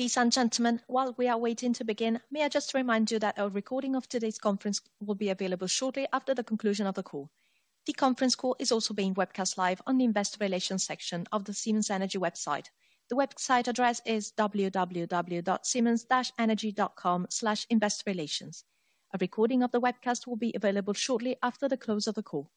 Ladies and gentlemen, while we are waiting to begin, may I just remind you that a recording of today's conference will be available shortly after the conclusion of the call. The conference call is also being webcast live on the Investor Relations section of the Siemens Energy website. The website address is www.siemens-energy.com/investor-relations. A recording of the webcast will be available shortly after the close of the call.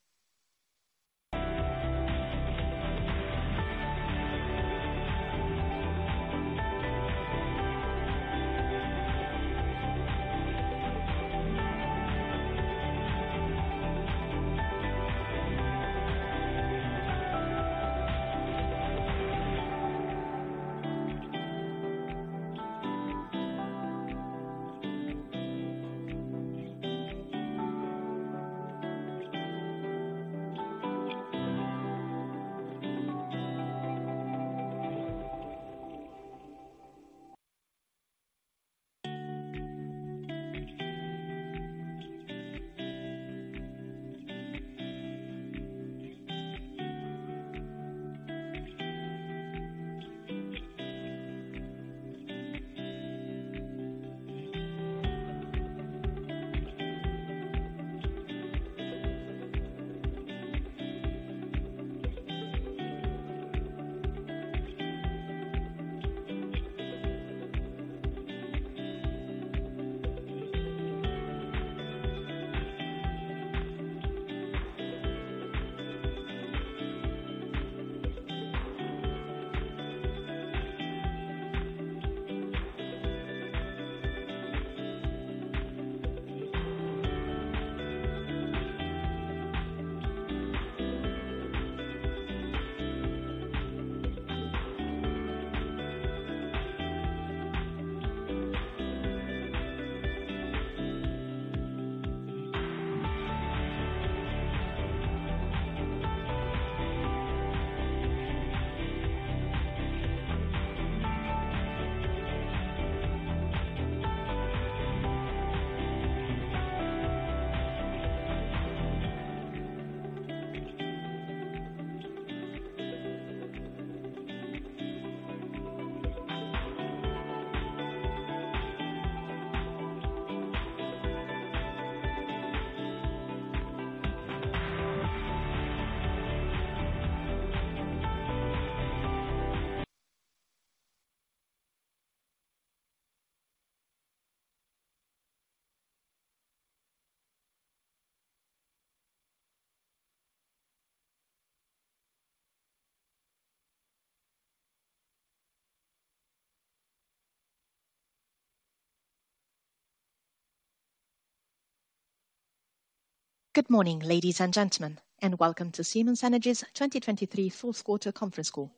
Good morning, ladies and gentlemen, and welcome to Siemens Energy's 2023 full-year conference call.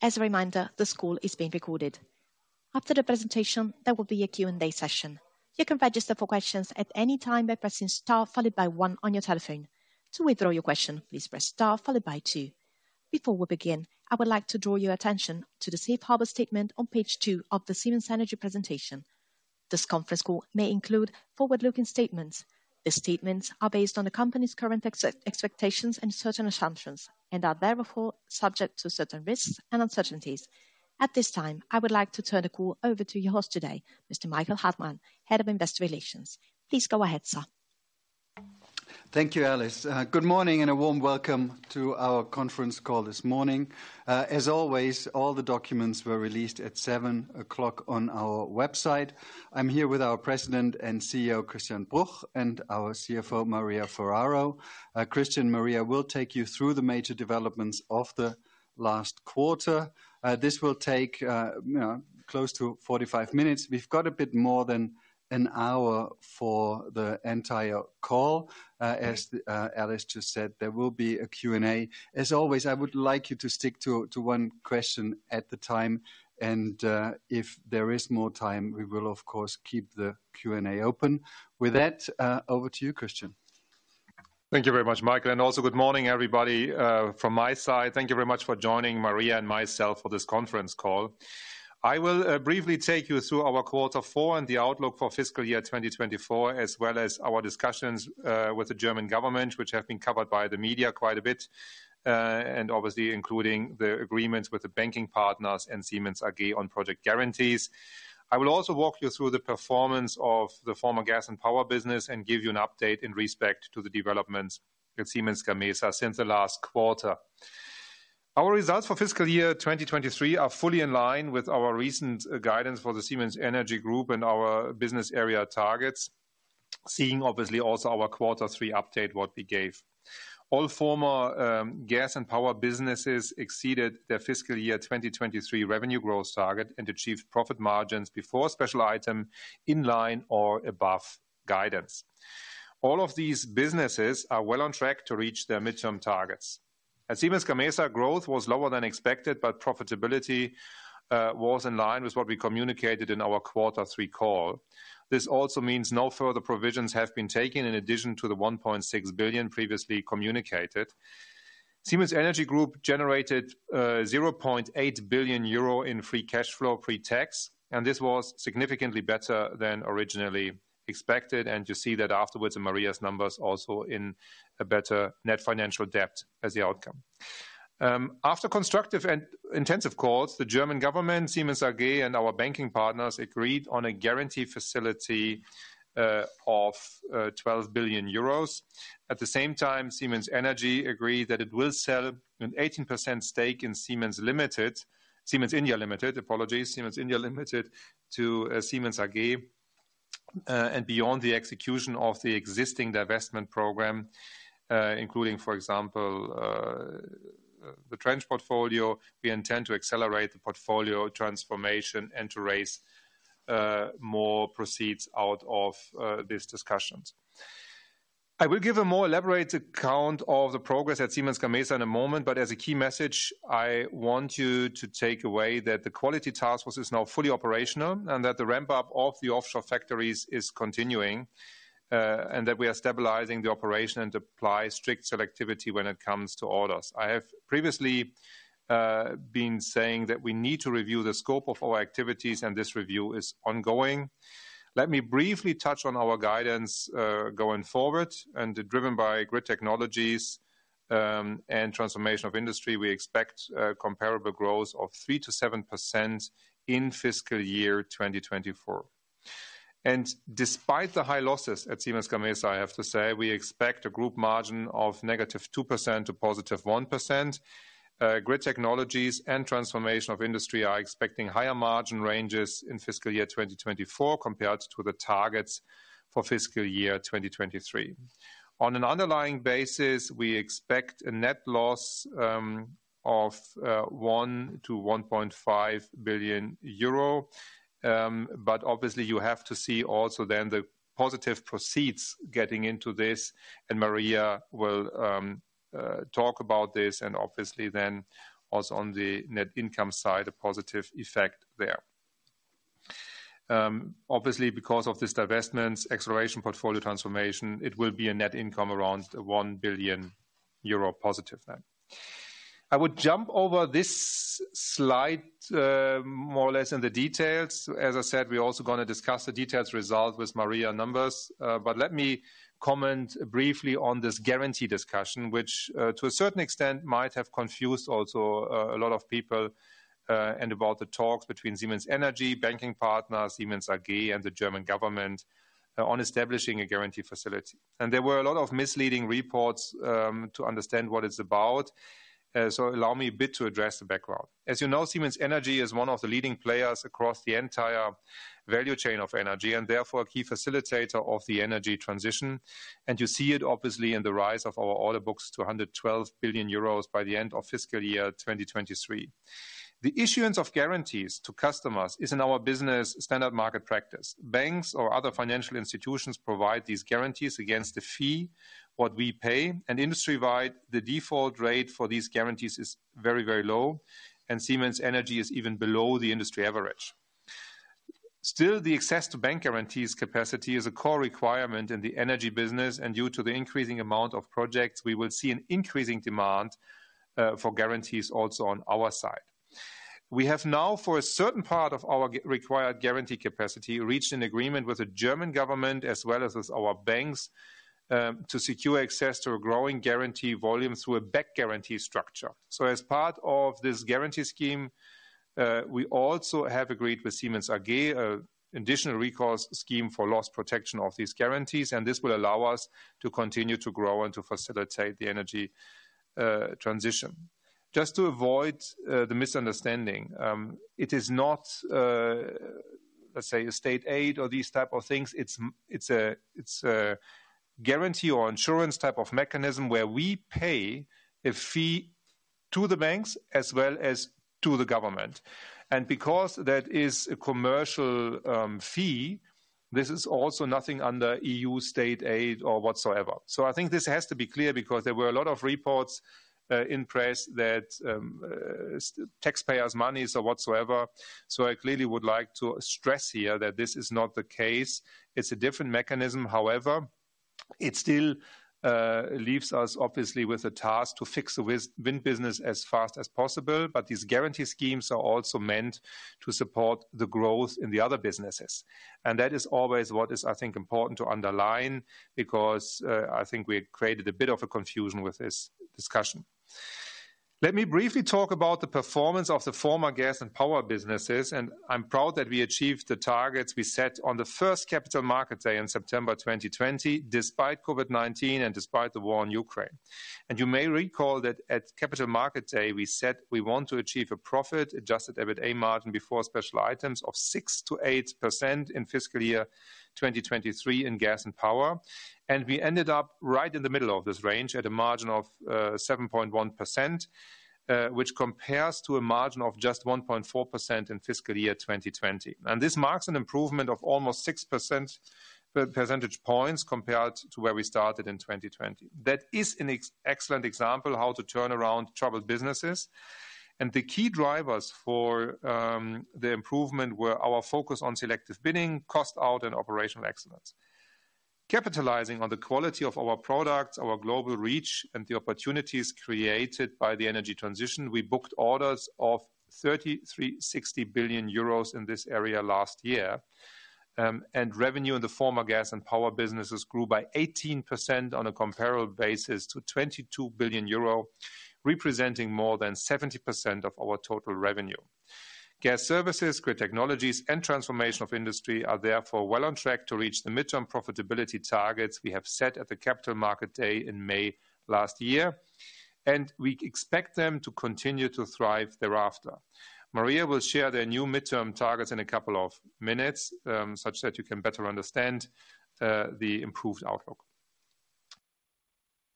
As a reminder, this call is being recorded. After the presentation, there will be a Q&A session. You can register for questions at any time by pressing star followed by one on your telephone. To withdraw your question, please press star followed by two. Before we begin, I would like to draw your attention to the Safe Harbor statement on page two of the Siemens Energy presentation. This conference call may include forward-looking statements. The statements are based on the company's current expectations and certain assumptions, and are therefore subject to certain risks and uncertainties. At this time, I would like to turn the call over to your host today, Mr. Michael Hartmann, Head of Investor Relations. Please go ahead, sir. Thank you, Alice. Good morning and a warm welcome to our conference call this morning. As always, all the documents were released at 7:00 A.M. on our website. I'm here with our President and CEO, Christian Bruch, and our CFO, Maria Ferraro. Christian and Maria will take you through the major developments of the last quarter. This will take, you know, close to 45 minutes. We've got a bit more than an hour for the entire call. As Alice just said, there will be a Q&A. As always, I would like you to stick to one question at a time, and if there is more time, we will of course keep the Q&A open. With that, over to you, Christian. Thank you very much, Michael, and also good morning, everybody. From my side, thank you very much for joining Maria and myself for this conference call. I will briefly take you through our Quarter Four and the outlook for fiscal year 2024, as well as our discussions with the German government, which have been covered by the media quite a bit, and obviously including the agreements with the banking partners and Siemens AG on project guarantees. I will also walk you through the performance of the former Gas and Power business and give you an update in respect to the developments at Siemens Gamesa since the last quarter. Our results for fiscal year 2023 are fully in line with our recent guidance for the Siemens Energy Group and our business area targets, seeing obviously also our Quarter Three update, what we gave. All former Gas and Power businesses exceeded their fiscal year 2023 revenue growth target and achieved profit margins before special item in line or above guidance. All of these businesses are well on track to reach their midterm targets. At Siemens Gamesa, growth was lower than expected, but profitability was in line with what we communicated in our Quarter Three call. This also means no further provisions have been taken in addition to the 1.6 billion previously communicated. Siemens Energy Group generated 0.8 billion euro in free cash flow pre-tax, and this was significantly better than originally expected, and you see that afterwards in Maria's numbers also in a better net financial debt as the outcome. After constructive and intensive calls, the German government, Siemens AG, and our banking partners agreed on a guarantee facility of 12 billion euros. At the same time, Siemens Energy agreed that it will sell an 18% stake in Siemens Limited, Siemens India Limited, apologies, Siemens India Limited, to Siemens AG. And beyond the execution of the existing divestment program, including, for example, the Trench portfolio, we intend to accelerate the portfolio transformation and to raise more proceeds out of these discussions. I will give a more elaborated account of the progress at Siemens Gamesa in a moment, but as a key message, I want you to take away that the quality task force is now fully operational, and that the ramp-up of the offshore factories is continuing, and that we are stabilizing the operation and apply strict selectivity when it comes to orders. I have previously been saying that we need to review the scope of our activities, and this review is ongoing. Let me briefly touch on our guidance going forward, and driven by Grid Technologies and Transformation of Industry, we expect comparable growth of 3%-7% in fiscal year 2024. Despite the high losses at Siemens Gamesa, I have to say, we expect a group margin of -2% to +1%. Grid Technologies and Transformation of Industry are expecting higher margin ranges in fiscal year 2024 compared to the targets for fiscal year 2023. On an underlying basis, we expect a net loss of 1 billion-1.5 billion euro. But obviously, you have to see also then the positive proceeds getting into this, and Maria will talk about this, and obviously then, also on the net income side, a positive effect there. Obviously, because of this divestment, acceleration, portfolio transformation, it will be a net income around 1 billion euro positive then. I would jump over this slide more or less in the details. As I said, we're also gonna discuss the details result with Maria numbers. But let me comment briefly on this guarantee discussion, which, to a certain extent, might have confused also a lot of people, and about the talks between Siemens Energy, banking partners, Siemens AG, and the German government, on establishing a guarantee facility. There were a lot of misleading reports to understand what it's about. So allow me a bit to address the background. As you know, Siemens Energy is one of the leading players across the entire value chain of energy, and therefore a key facilitator of the energy transition, and you see it obviously in the rise of our order books to 112 billion euros by the end of fiscal year 2023. The issuance of guarantees to customers is in our business standard market practice. Banks or other financial institutions provide these guarantees against a fee, what we pay, and industry-wide, the default rate for these guarantees is very, very low, and Siemens Energy is even below the industry average. Still, the access to bank guarantees capacity is a core requirement in the energy business, and due to the increasing amount of projects, we will see an increasing demand for guarantees also on our side. We have now, for a certain part of our required guarantee capacity, reached an agreement with the German government, as well as our banks, to secure access to a growing guarantee volume through a back guarantee structure. So as part of this guarantee scheme, we also have agreed with Siemens AG, additional recourse scheme for loss protection of these guarantees, and this will allow us to continue to grow and to facilitate the energy transition. Just to avoid the misunderstanding, it is not, let's say, a state aid or these type of things. It's a, it's a guarantee or insurance type of mechanism where we pay a fee to the banks as well as to the government. And because that is a commercial fee, this is also nothing under EU state aid or whatsoever. So I think this has to be clear, because there were a lot of reports in press that, taxpayers' monies or whatsoever. So I clearly would like to stress here that this is not the case. It's a different mechanism. However, it still leaves us, obviously, with a task to fix the wind business as fast as possible, but these guarantee schemes are also meant to support the growth in the other businesses. That is always what is, I think, important to underline, because I think we created a bit of a confusion with this discussion. Let me briefly talk about the performance of the former gas and power businesses, and I'm proud that we achieved the targets we set on the first Capital Markets Day in September 2020, despite COVID-19 and despite the war in Ukraine. You may recall that at Capital Markets Day, we said we want to achieve a profit, adjusted EBITA margin before special items of 6%-8% in fiscal year 2023 in gas and power. And we ended up right in the middle of this range at a margin of 7.1%, which compares to a margin of just 1.4% in fiscal year 2020. And this marks an improvement of almost 6 percentage points compared to where we started in 2020. That is an excellent example how to turn around troubled businesses, and the key drivers for the improvement were our focus on selective bidding, cost out, and operational excellence. Capitalizing on the quality of our products, our global reach, and the opportunities created by the energy transition, we booked orders of 33.6 billion euros in this area last year. And revenue in the former gas and power businesses grew by 18% on a comparable basis to 22 billion euro, representing more than 70% of our total revenue. Gas Services, Grid Technologies, and Transformation of Industry are therefore well on track to reach the midterm profitability targets we have set at the Capital Markets Day in May last year, and we expect them to continue to thrive thereafter. Maria will share the new midterm targets in a couple of minutes, such that you can better understand the improved outlook.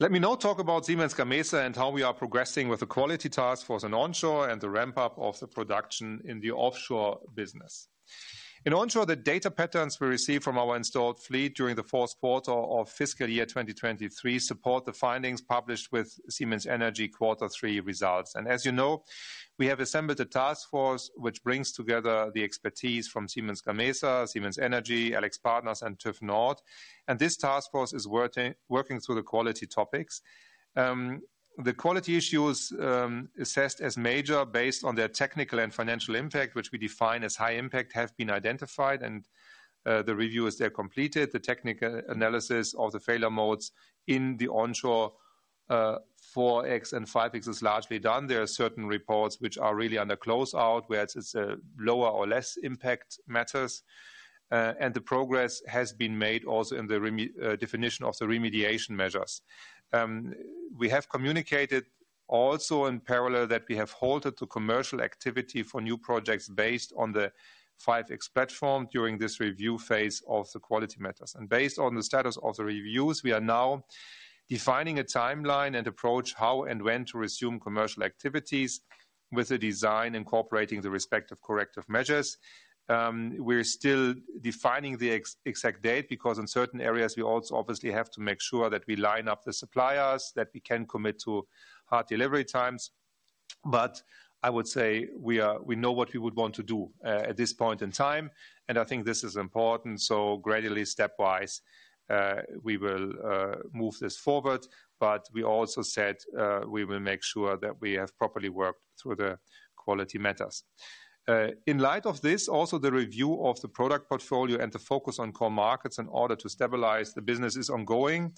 Let me now talk about Siemens Gamesa and how we are progressing with the quality task force in onshore and the ramp-up of the production in the offshore business. In onshore, the data patterns we received from our installed fleet during the fourth quarter of fiscal year 2023 support the findings published with Siemens Energy quarter three results. And as you know, we have assembled a task force which brings together the expertise from Siemens Gamesa, Siemens Energy, AlixPartners, and TÜV NORD. This task force is working, working through the quality topics. The quality issues, assessed as major based on their technical and financial impact, which we define as high impact, have been identified and the review is there completed. The technical analysis of the failure modes in the onshore 4X and 5X is largely done. There are certain reports which are really under closeout, whereas it's lower or less impact matters. And the progress has been made also in the definition of the remediation measures. We have communicated also in parallel that we have halted the commercial activity for new projects based on the 5X platform during this review phase of the quality matters. Based on the status of the reviews, we are now defining a timeline and approach how and when to resume commercial activities with the design, incorporating the respective corrective measures. We're still defining the exact date, because in certain areas, we also obviously have to make sure that we line up the suppliers, that we can commit to hard delivery times. But I would say we are—we know what we would want to do at this point in time, and I think this is important. So gradually, stepwise, we will move this forward. But we also said we will make sure that we have properly worked through the quality matters. In light of this, also, the review of the product portfolio and the focus on core markets in order to stabilize the business is ongoing.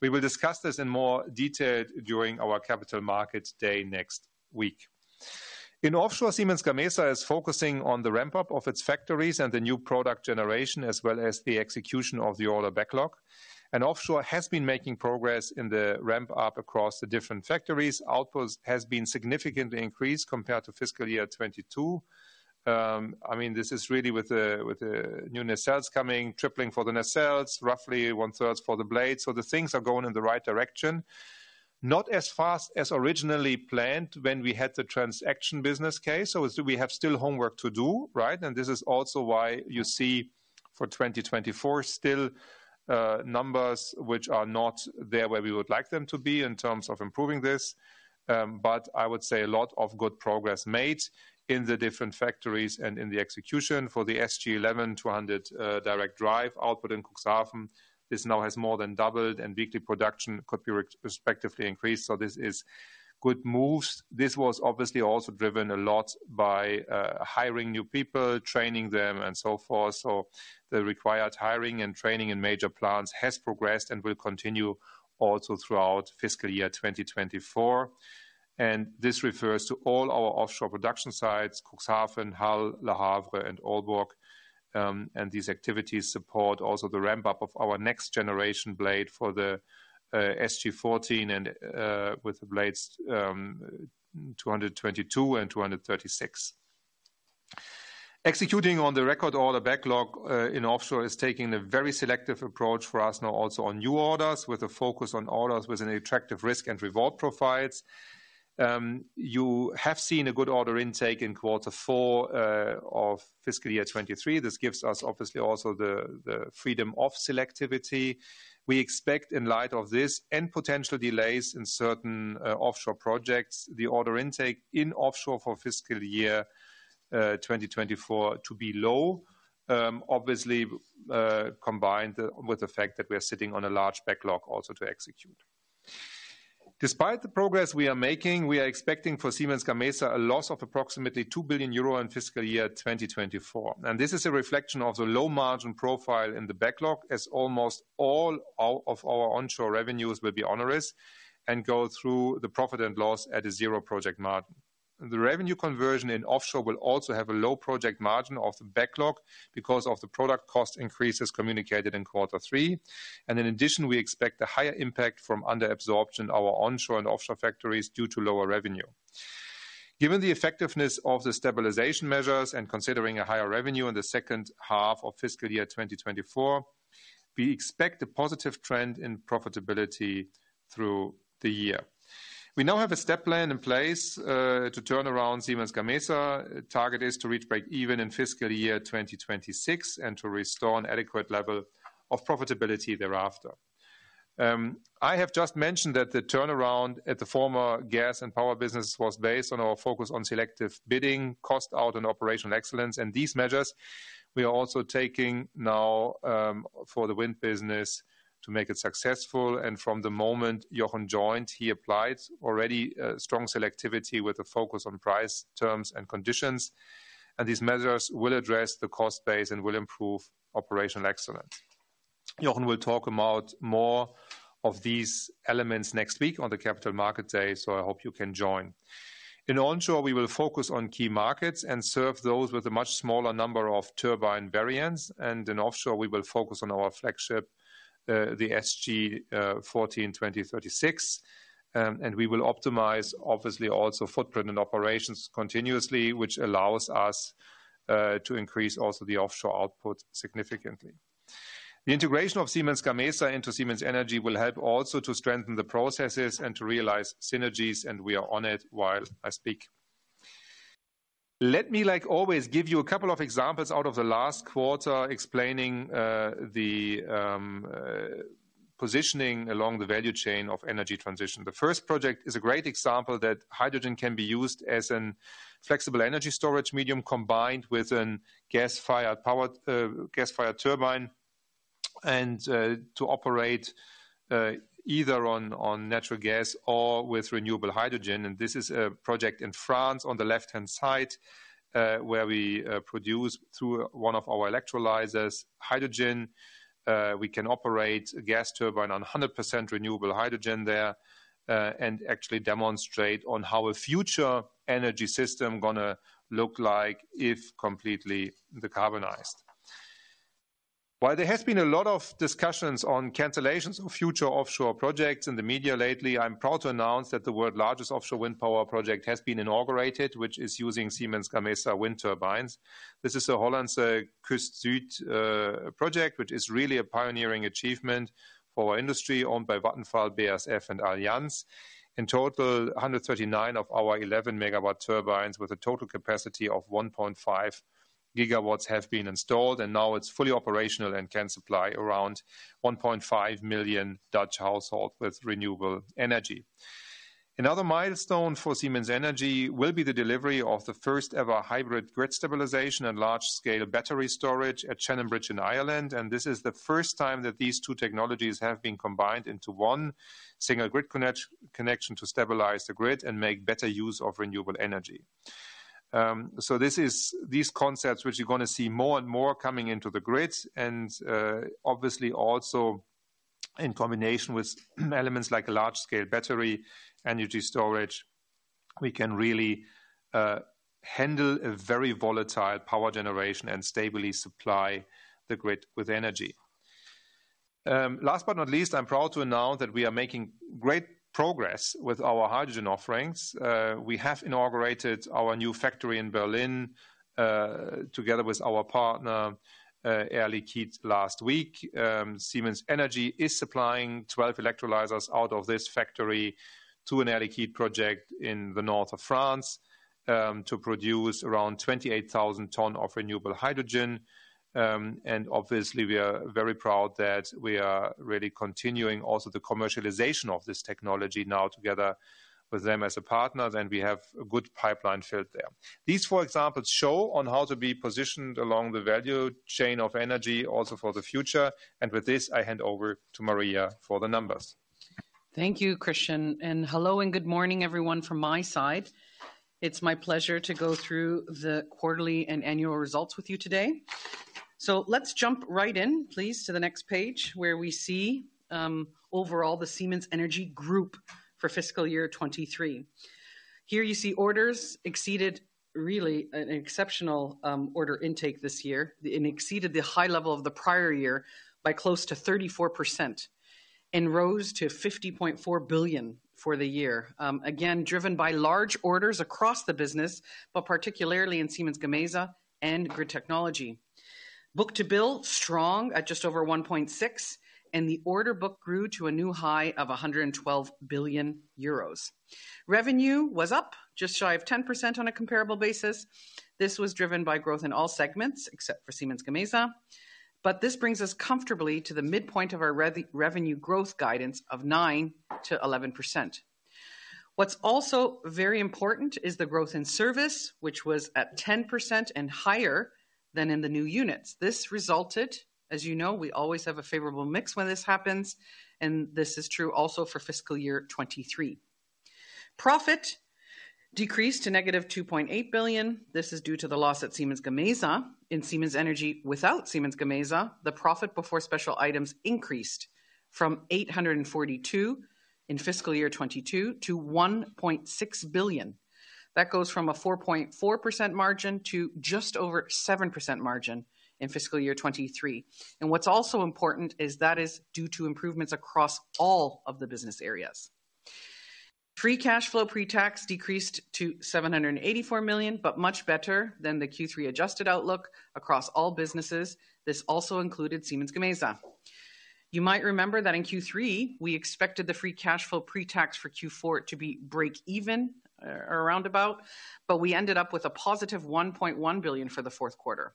We will discuss this in more detail during our Capital Markets Day next week. In offshore, Siemens Gamesa is focusing on the ramp-up of its factories and the new product generation, as well as the execution of the order backlog. Offshore has been making progress in the ramp-up across the different factories. Output has been significantly increased compared to fiscal year 2022. I mean, this is really with the, with the new nacelles coming, tripling for the nacelles, roughly one-thirds for the blades. The things are going in the right direction, not as fast as originally planned when we had the transaction business case. We have still homework to do, right? This is also why you see for 2024 still, numbers which are not there, where we would like them to be in terms of improving this. But I would say a lot of good progress made in the different factories and in the execution for the SG 11.0-200 direct drive output in Cuxhaven. This now has more than doubled, and weekly production could be respectively increased. So this is good moves. This was obviously also driven a lot by hiring new people, training them, and so forth. So the required hiring and training in major plants has progressed and will continue also throughout fiscal year 2024. And this refers to all our offshore production sites: Cuxhaven, Hull, Le Havre and Aalborg. And these activities support also the ramp-up of our next generation blade for the SG 14 and with the blades 222 and 236. Executing on the record order backlog in offshore is taking a very selective approach for us now also on new orders, with a focus on orders with an attractive risk and reward profiles. You have seen a good order intake in quarter four of fiscal year 2023. This gives us obviously also the freedom of selectivity. We expect in light of this and potential delays in certain offshore projects, the order intake in offshore for fiscal year 2024 to be low. Obviously, combined with the fact that we are sitting on a large backlog also to execute. Despite the progress we are making, we are expecting for Siemens Gamesa a loss of approximately 2 billion euro in fiscal year 2024. This is a reflection of the low margin profile in the backlog, as almost all of our onshore revenues will be onerous and go through the profit and loss at a zero project margin. The revenue conversion in offshore will also have a low project margin of the backlog because of the product cost increases communicated in quarter three. In addition, we expect a higher impact from under absorption, our onshore and offshore factories, due to lower revenue. Given the effectiveness of the stabilization measures and considering a higher revenue in the second half of fiscal year 2024, we expect a positive trend in profitability through the year. We now have a step plan in place to turn around Siemens Gamesa. Target is to reach break even in fiscal year 2026 and to restore an adequate level of profitability thereafter. I have just mentioned that the turnaround at the former gas and power business was based on our focus on selective bidding, cost out, and operational excellence. These measures we are also taking now for the wind business to make it successful. From the moment Jochen joined, he applied already strong selectivity with a focus on price, terms, and conditions. These measures will address the cost base and will improve operational excellence. Jochen will talk about more of these elements next week on the Capital Markets Day, so I hope you can join. In onshore, we will focus on key markets and serve those with a much smaller number of turbine variants. In offshore, we will focus on our flagship, the SG 14-236. We will optimize, obviously, also footprint and operations continuously, which allows us to increase also the offshore output significantly. The integration of Siemens Gamesa into Siemens Energy will help also to strengthen the processes and to realize synergies, and we are on it while I speak. Let me, like always, give you a couple of examples out of the last quarter, explaining the positioning along the value chain of energy transition. The first project is a great example that hydrogen can be used as a flexible energy storage medium, combined with a gas-fired power, gas-fired turbine, and to operate either on natural gas or with renewable hydrogen. This is a project in France, on the left-hand side, where we produce through one of our electrolyzers, hydrogen. We can operate a gas turbine on 100% renewable hydrogen there, and actually demonstrate on how a future energy system gonna look like if completely decarbonized. While there has been a lot of discussions on cancellations of future offshore projects in the media lately, I'm proud to announce that the world's largest offshore wind power project has been inaugurated, which is using Siemens Gamesa wind turbines. This is the Hollandse Kust Zuid project, which is really a pioneering achievement for our industry, owned by Vattenfall, BASF and Allianz. In total, 139 of our 11-MW turbines, with a total capacity of 1.5 GW, have been installed, and now it's fully operational and can supply around 1.5 million Dutch households with renewable energy. Another milestone for Siemens Energy will be the delivery of the first-ever hybrid grid stabilization and large-scale battery storage at Shannonbridge in Ireland, and this is the first time that these two technologies have been combined into one single grid connection to stabilize the grid and make better use of renewable energy. So these concepts, which you're gonna see more and more coming into the grid, and obviously also in combination with elements like large-scale battery energy storage, we can really handle a very volatile power generation and stably supply the grid with energy. Last but not least, I'm proud to announce that we are making great progress with our hydrogen offerings. We have inaugurated our new factory in Berlin together with our partner Air Liquide last week. Siemens Energy is supplying 12 electrolyzers out of this factory to an Air Liquide project in the north of France, to produce around 28,000 tons of renewable hydrogen. And obviously, we are very proud that we are really continuing also the commercialization of this technology now together with them as a partner, and we have a good pipeline filled there. These four examples show how to be positioned along the value chain of energy, also for the future, and with this, I hand over to Maria for the numbers. Thank you, Christian, and hello and good morning, everyone, from my side. It's my pleasure to go through the quarterly and annual results with you today. So let's jump right in, please, to the next page, where we see, overall, the Siemens Energy Group for fiscal year 2023. Here you see orders exceeded really an exceptional order intake this year. It exceeded the high level of the prior year by close to 34% and rose to 50.4 billion for the year. Again, driven by large orders across the business, but particularly in Siemens Gamesa and Grid Technologies. Book-to-bill, strong at just over 1.6, and the order book grew to a new high of 112 billion euros. Revenue was up just shy of 10% on a comparable basis. This was driven by growth in all segments, except for Siemens Gamesa, but this brings us comfortably to the midpoint of our revenue growth guidance of 9%-11%. What's also very important is the growth in service, which was at 10% and higher than in the new units. As you know, we always have a favorable mix when this happens, and this is true also for fiscal year 2023. Profit decreased to -2.8 billion. This is due to the loss at Siemens Gamesa. In Siemens Energy without Siemens Gamesa, the profit before special items increased from 842 million in fiscal year 2022 to 1.6 billion. That goes from a 4.4% margin to just over 7% margin in fiscal year 2023. What's also important is that is due to improvements across all of the business areas. Free cash flow pre-tax decreased to 784 million, but much better than the Q3 adjusted outlook across all businesses. This also included Siemens Gamesa. You might remember that in Q3, we expected the free cash flow pre-tax for Q4 to be break even, or around about, but we ended up with a positive 1.1 billion for the fourth quarter.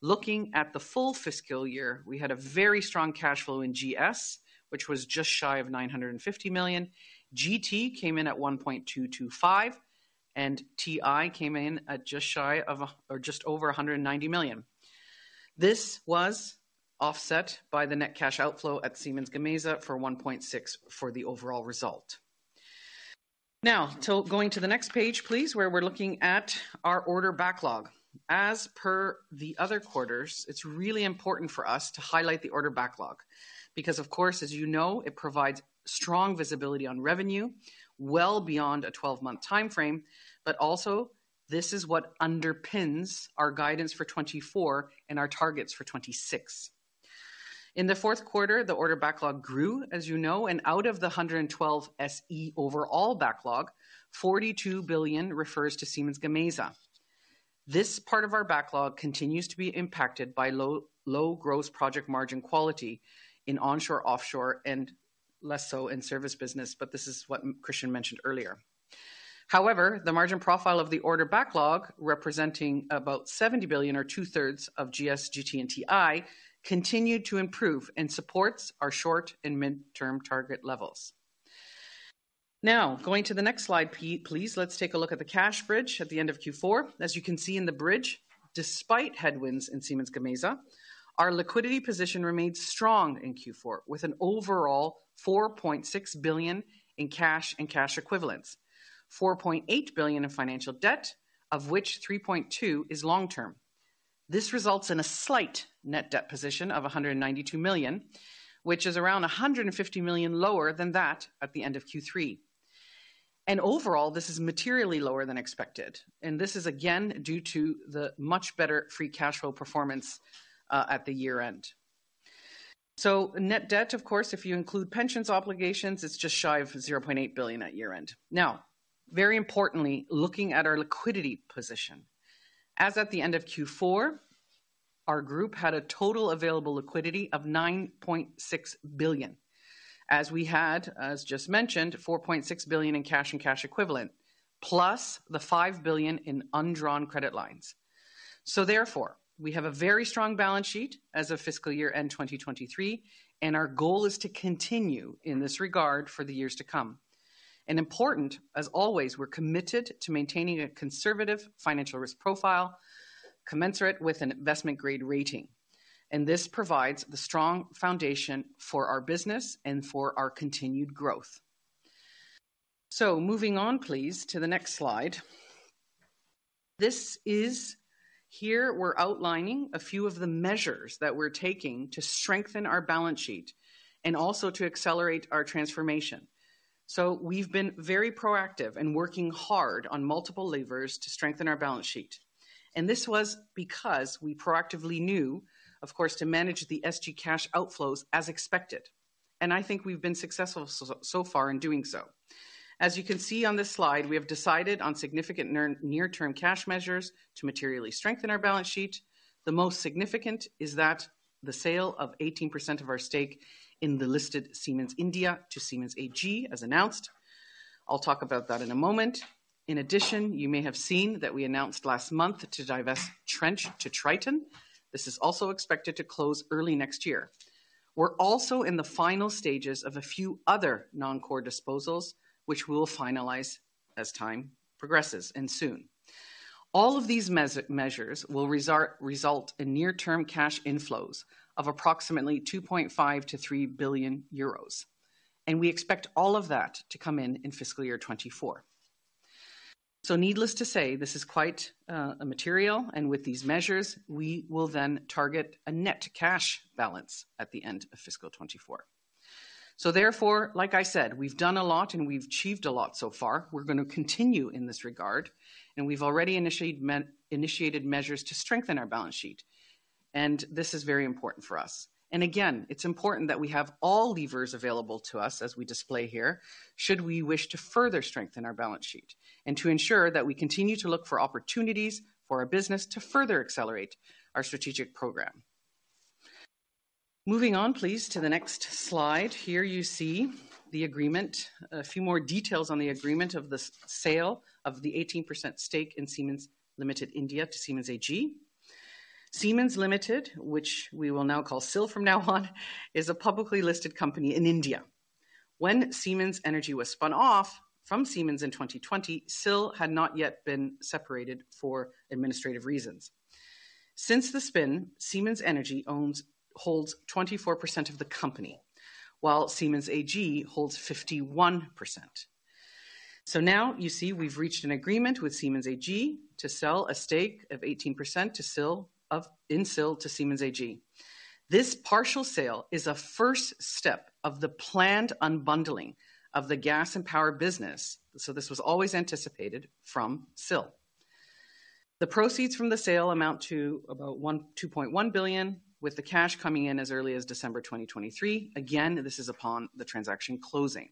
Looking at the full fiscal year, we had a very strong cash flow in GS, which was just shy of 950 million. GT came in at 1.225, and TI came in at just shy of or just over 190 million. This was offset by the net cash outflow at Siemens Gamesa for 1.6 billion for the overall result. Now, turning to the next page, please, where we're looking at our order backlog. As per the other quarters, it's really important for us to highlight the order backlog, because, of course, as you know, it provides strong visibility on revenue, well beyond a 12-month timeframe, but also, this is what underpins our guidance for 2024 and our targets for 2026. In the fourth quarter, the order backlog grew, as you know, and out of the 112 billion SE overall backlog, 42 billion refers to Siemens Gamesa. This part of our backlog continues to be impacted by low, low growth project margin quality in onshore, offshore, and less so in service business, but this is what Christian mentioned earlier. However, the margin profile of the order backlog, representing about 70 billion or two-thirds of GS, GT, and TI, continued to improve and supports our short- and mid-term target levels. Now, going to the next slide, please, let's take a look at the cash bridge at the end of Q4. As you can see in the bridge, despite headwinds in Siemens Gamesa, our liquidity position remained strong in Q4, with an overall 4.6 billion in cash and cash equivalents. 4.8 billion in financial debt, of which 3.2 billion is long term. This results in a slight net debt position of 192 million, which is around 150 million lower than that at the end of Q3. Overall, this is materially lower than expected, and this is again due to the much better free cash flow performance at the year-end. So net debt, of course, if you include pensions obligations, it's just shy of 0.8 billion at year-end. Now, very importantly, looking at our liquidity position. As at the end of Q4, our group had a total available liquidity of 9.6 billion. As we had, as just mentioned, 4.6 billion in cash and cash equivalent, plus the 5 billion in undrawn credit lines. So therefore, we have a very strong balance sheet as of fiscal year end 2023, and our goal is to continue in this regard for the years to come. And important, as always, we're committed to maintaining a conservative financial risk profile, commensurate with an investment-grade rating. This provides the strong foundation for our business and for our continued growth. So moving on, please, to the next slide. Here, we're outlining a few of the measures that we're taking to strengthen our balance sheet and also to accelerate our transformation. So we've been very proactive and working hard on multiple levers to strengthen our balance sheet. And this was because we proactively knew, of course, to manage the SG cash outflows as expected, and I think we've been successful so far in doing so. As you can see on this slide, we have decided on significant near-term cash measures to materially strengthen our balance sheet. The most significant is that the sale of 18% of our stake in the listed Siemens India to Siemens AG, as announced. I'll talk about that in a moment. In addition, you may have seen that we announced last month to divest Trench to Triton. This is also expected to close early next year. We're also in the final stages of a few other non-core disposals, which we'll finalize as time progresses, and soon. All of these measures will result in near-term cash inflows of approximately 2.5 billion-3 billion euros, and we expect all of that to come in in fiscal year 2024. So needless to say, this is quite a material, and with these measures, we will then target a net cash balance at the end of fiscal year 2024. So therefore, like I said, we've done a lot, and we've achieved a lot so far. We're gonna continue in this regard, and we've already initiated measures to strengthen our balance sheet, and this is very important for us. And again, it's important that we have all levers available to us as we display here, should we wish to further strengthen our balance sheet and to ensure that we continue to look for opportunities for our business to further accelerate our strategic program. Moving on, please, to the next slide. Here you see the agreement. A few more details on the agreement of the sale of the 18% stake in Siemens Limited to Siemens AG. Siemens Limited, which we will now call SIL from now on, is a publicly listed company in India. When Siemens Energy was spun off from Siemens in 2020, SIL had not yet been separated for administrative reasons. Since the spin, Siemens Energy owns—holds 24% of the company, while Siemens AG holds 51%. Now you see we've reached an agreement with Siemens AG to sell a stake of 18% in SIL to Siemens AG. This partial sale is a first step of the planned unbundling of the gas and power business, so this was always anticipated from SIL. The proceeds from the sale amount to about 1.2 billion, with the cash coming in as early as December 2023. Again, this is upon the transaction closing.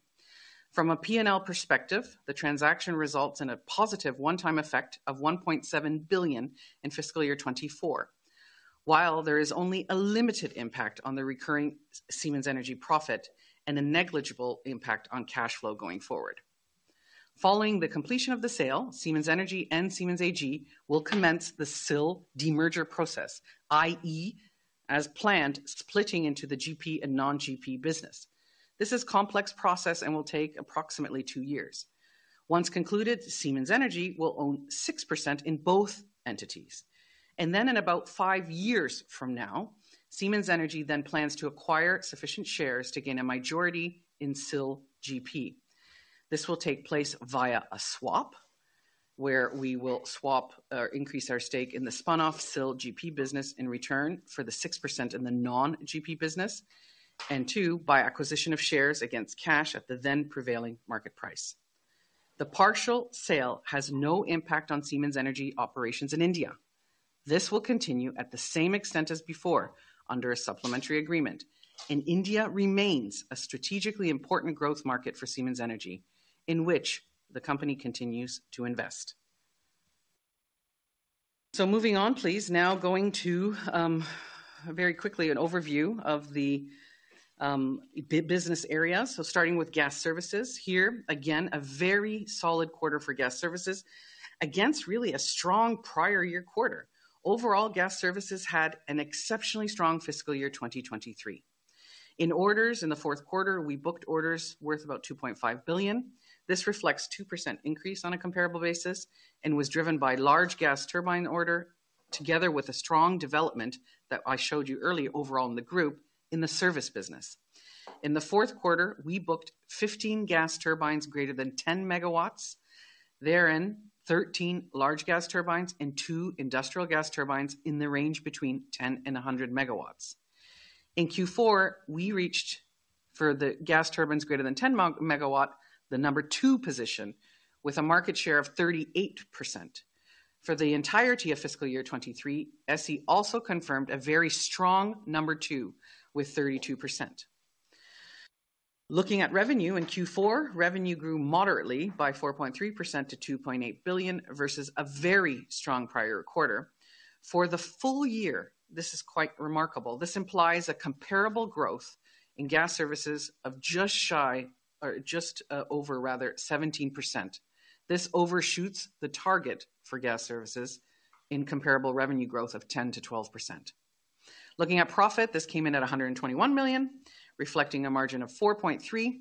From a P&L perspective, the transaction results in a positive one-time effect of 1.7 billion in fiscal year 2024, while there is only a limited impact on the recurring Siemens Energy profit and a negligible impact on cash flow going forward. Following the completion of the sale, Siemens Energy and Siemens AG will commence the SIL demerger process, i.e., as planned, splitting into the GP and non-GP business. This is complex process and will take approximately two years. Once concluded, Siemens Energy will own 6% in both entities. Then in about five years from now, Siemens Energy then plans to acquire sufficient shares to gain a majority in SIL GP. This will take place via a swap.... where we will swap or increase our stake in the spun-off SIL GP business in return for the 6% in the non-GP business, and two, by acquisition of shares against cash at the then prevailing market price. The partial sale has no impact on Siemens Energy operations in India. This will continue at the same extent as before, under a supplementary agreement. India remains a strategically important growth market for Siemens Energy, in which the company continues to invest. So moving on, please. Now going to very quickly an overview of the business area. So starting with Gas Services. Here, again, a very solid quarter for Gas Services against really a strong prior year quarter. Overall, Gas Services had an exceptionally strong fiscal year 2023. In orders in the fourth quarter, we booked orders worth about 2.5 billion. This reflects 2% increase on a comparable basis and was driven by large gas turbine order, together with a strong development that I showed you earlier overall in the group, in the service business. In the fourth quarter, we booked 15 gas turbines greater than 10 MW, therein, 13 large gas turbines and 2 industrial gas turbines in the range between 10 and 100 MW. In Q4, we reached, for the gas turbines greater than 10-megawatt, the number two position, with a market share of 38%. For the entirety of fiscal year 2023, SE also confirmed a very strong number two with 32%. Looking at revenue in Q4, revenue grew moderately by 4.3% to 2.8 billion, versus a very strong prior quarter. For the full year, this is quite remarkable. This implies a comparable growth in gas services of just shy, or just, over rather 17%. This overshoots the target for Gas Services in comparable revenue growth of 10%-12%. Looking at profit, this came in at 121 million, reflecting a margin of 4.3%.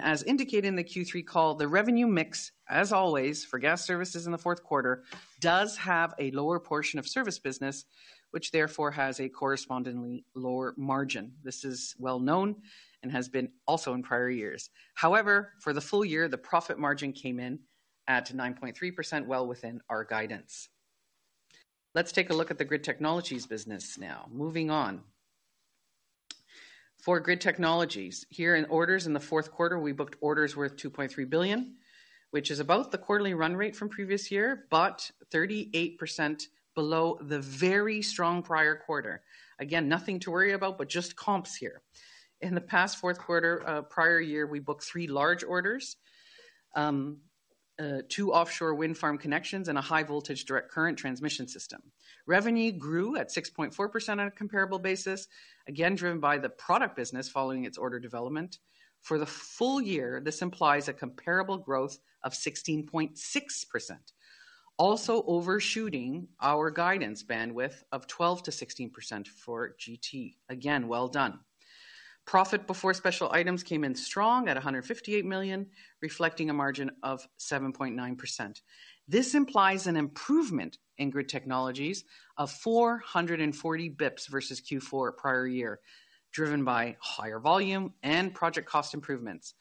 As indicated in the Q3 call, the revenue mix, as always, for Gas Services in the fourth quarter, does have a lower portion of service business, which therefore has a correspondingly lower margin. This is well known and has been also in prior years. However, for the full year, the profit margin came in at 9.3%, well within our guidance. Let's take a look at the Grid Technologies business now. Moving on. For Grid Technologies, here in orders in the fourth quarter, we booked orders worth 2.3 billion, which is about the quarterly run rate from previous year, but 38% below the very strong prior quarter. Again, nothing to worry about, but just comps here. In the past fourth quarter, prior year, we booked three large orders, two offshore wind farm connections, and a high-voltage direct current transmission system. Revenue grew at 6.4% on a comparable basis, again, driven by the product business following its order development. For the full year, this implies a comparable growth of 16.6%, also overshooting our guidance bandwidth of 12%-16% for GT. Again, well done. Profit before special items came in strong at 158 million, reflecting a margin of 7.9%. This implies an improvement in Grid Technologies of 440 basis points versus Q4 prior year, driven by higher volume and project cost improvements.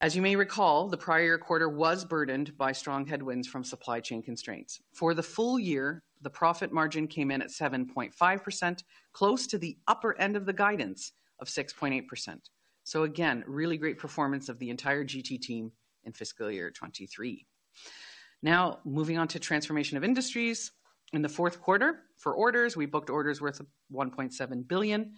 As you may recall, the prior quarter was burdened by strong headwinds from supply chain constraints. For the full year, the profit margin came in at 7.5%, close to the upper end of the guidance of 6.8%. So again, really great performance of the entire GT team in fiscal year 2023. Now, moving on to Transformation of Industry. In the fourth quarter, for orders, we booked orders worth 1.7 billion.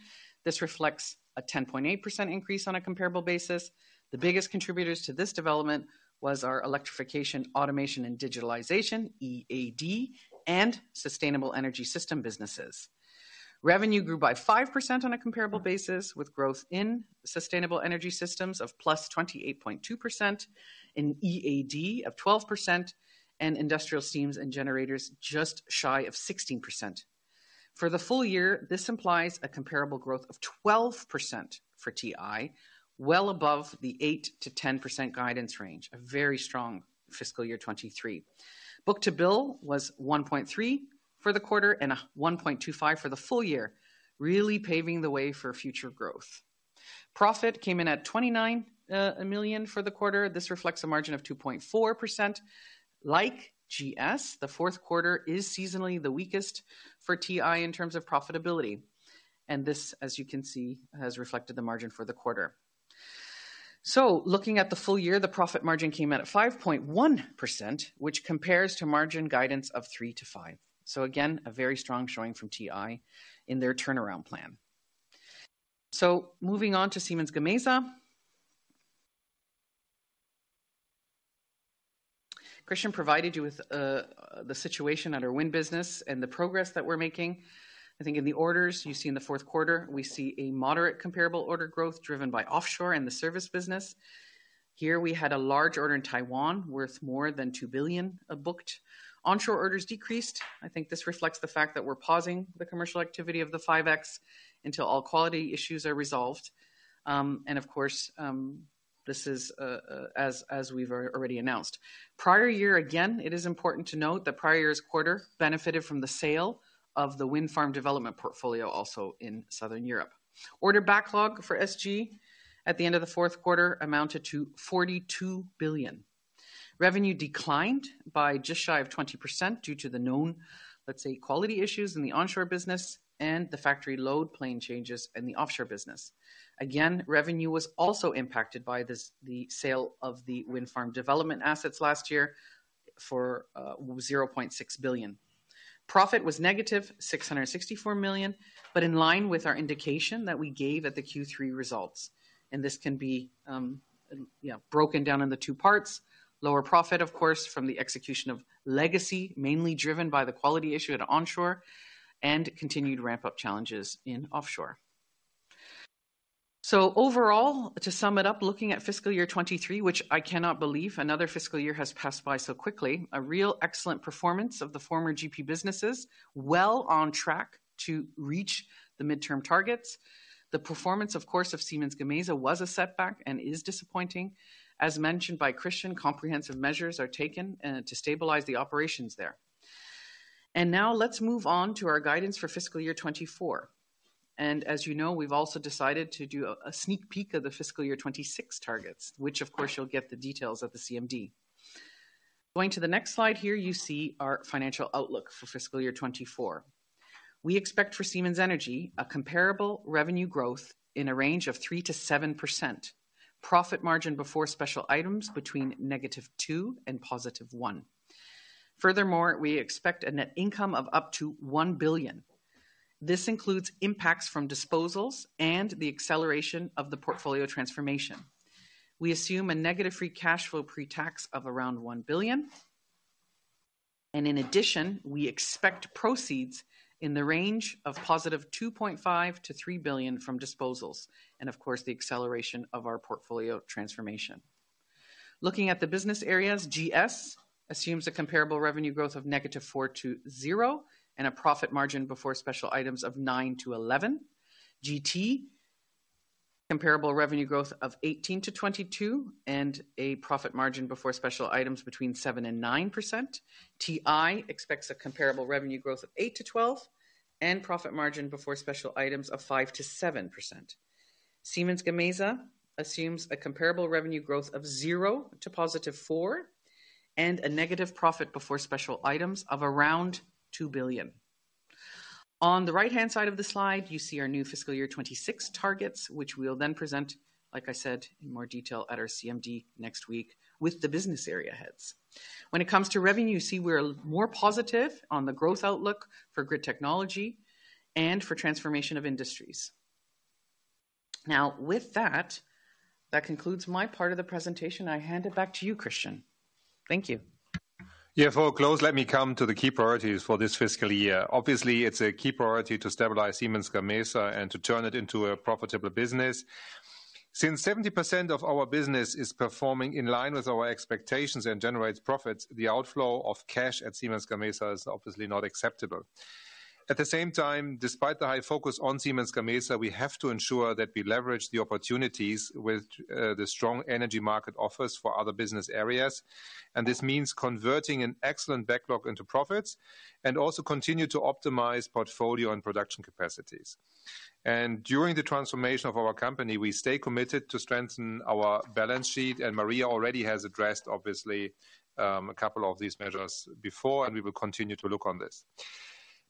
This reflects a 10.8% increase on a comparable basis. The biggest contributors to this development was our Electrification, Automation, and Digitalization, EAD, and sustainable energy system businesses. Revenue grew by 5% on a comparable basis, with growth in Sustainable Energy Systems of +28.2%, in EAD of 12%, and Industrial Steam and Generators, just shy of 16%. For the full year, this implies a comparable growth of 12% for TI, well above the 8%-10% guidance range. A very strong fiscal year 2023. Book-to-bill was 1.3 for the quarter and 1.25 for the full year, really paving the way for future growth. Profit came in at 29 million for the quarter. This reflects a margin of 2.4%. Like GS, the fourth quarter is seasonally the weakest for TI in terms of profitability, and this, as you can see, has reflected the margin for the quarter. So looking at the full year, the profit margin came out at 5.1%, which compares to margin guidance of 3%-5%. So again, a very strong showing from TI in their turnaround plan. So moving on to Siemens Gamesa. Christian provided you with the situation at our wind business and the progress that we're making. I think in the orders you see in the fourth quarter, we see a moderate comparable order growth driven by offshore and the service business. Here we had a large order in Taiwan, worth more than 2 billion, booked. Onshore orders decreased. I think this reflects the fact that we're pausing the commercial activity of the 5X until all quality issues are resolved. And of course, this is as we've already announced. Prior year, again, it is important to note that prior year's quarter benefited from the sale of the wind farm development portfolio, also in Southern Europe. Order backlog for SG at the end of the fourth quarter amounted to 42 billion. Revenue declined by just shy of 20% due to the known, let's say, quality issues in the onshore business and the factory load plan changes in the offshore business. Again, revenue was also impacted by this, the sale of the wind farm development assets last year for 0.6 billion. Profit was negative 664 million, but in line with our indication that we gave at the Q3 results, and this can be, you know, broken down into two parts. Lower profit, of course, from the execution of legacy, mainly driven by the quality issue at onshore and continued ramp-up challenges in offshore. So overall, to sum it up, looking at fiscal year 2023, which I cannot believe another fiscal year has passed by so quickly, a real excellent performance of the former GP businesses, well on track to reach the midterm targets. The performance, of course, of Siemens Gamesa was a setback and is disappointing. As mentioned by Christian, comprehensive measures are taken to stabilize the operations there. And now let's move on to our guidance for fiscal year 2024. And as you know, we've also decided to do a sneak peek of the fiscal year 2026 targets, which of course, you'll get the details at the CMD. Going to the next slide, here you see our financial outlook for fiscal year 2024. We expect for Siemens Energy, a comparable revenue growth in a range of 3%-7%. Profit margin before special items between -2% and +1%. Furthermore, we expect a net income of up to 1 billion. This includes impacts from disposals and the acceleration of the portfolio transformation. We assume a negative free cash flow pre-tax of around 1 billion, and in addition, we expect proceeds in the range of 2.5 billion to 3 billion from disposals, and of course, the acceleration of our portfolio transformation. Looking at the business areas, GS assumes a comparable revenue growth of -4% to 0% and a profit margin before special items of 9%-11%. GT, comparable revenue growth of 18%-22%, and a profit margin before special items between 7% and 9%. TI expects a comparable revenue growth of 8%-12%, and profit margin before special items of 5%-7%. Siemens Gamesa assumes a comparable revenue growth of 0% to +4%, and a negative profit before special items of around 2 billion. On the right-hand side of the slide, you see our new fiscal year 2026 targets, which we'll then present, like I said, in more detail at our CMD next week with the business area heads. When it comes to revenue, you see we're more positive on the growth outlook for Grid Technology and for transformation of industries. Now, with that, that concludes my part of the presentation. I hand it back to you, Christian. Thank you. Yeah, for a close, let me come to the key priorities for this fiscal year. Obviously, it's a key priority to stabilize Siemens Gamesa and to turn it into a profitable business. Since 70% of our business is performing in line with our expectations and generates profits, the outflow of cash at Siemens Gamesa is obviously not acceptable. At the same time, despite the high focus on Siemens Gamesa, we have to ensure that we leverage the opportunities with, the strong energy market offers for other business areas, and this means converting an excellent backlog into profits and also continue to optimize portfolio and production capacities. During the transformation of our company, we stay committed to strengthen our balance sheet, and Maria already has addressed, obviously, a couple of these measures before, and we will continue to look on this.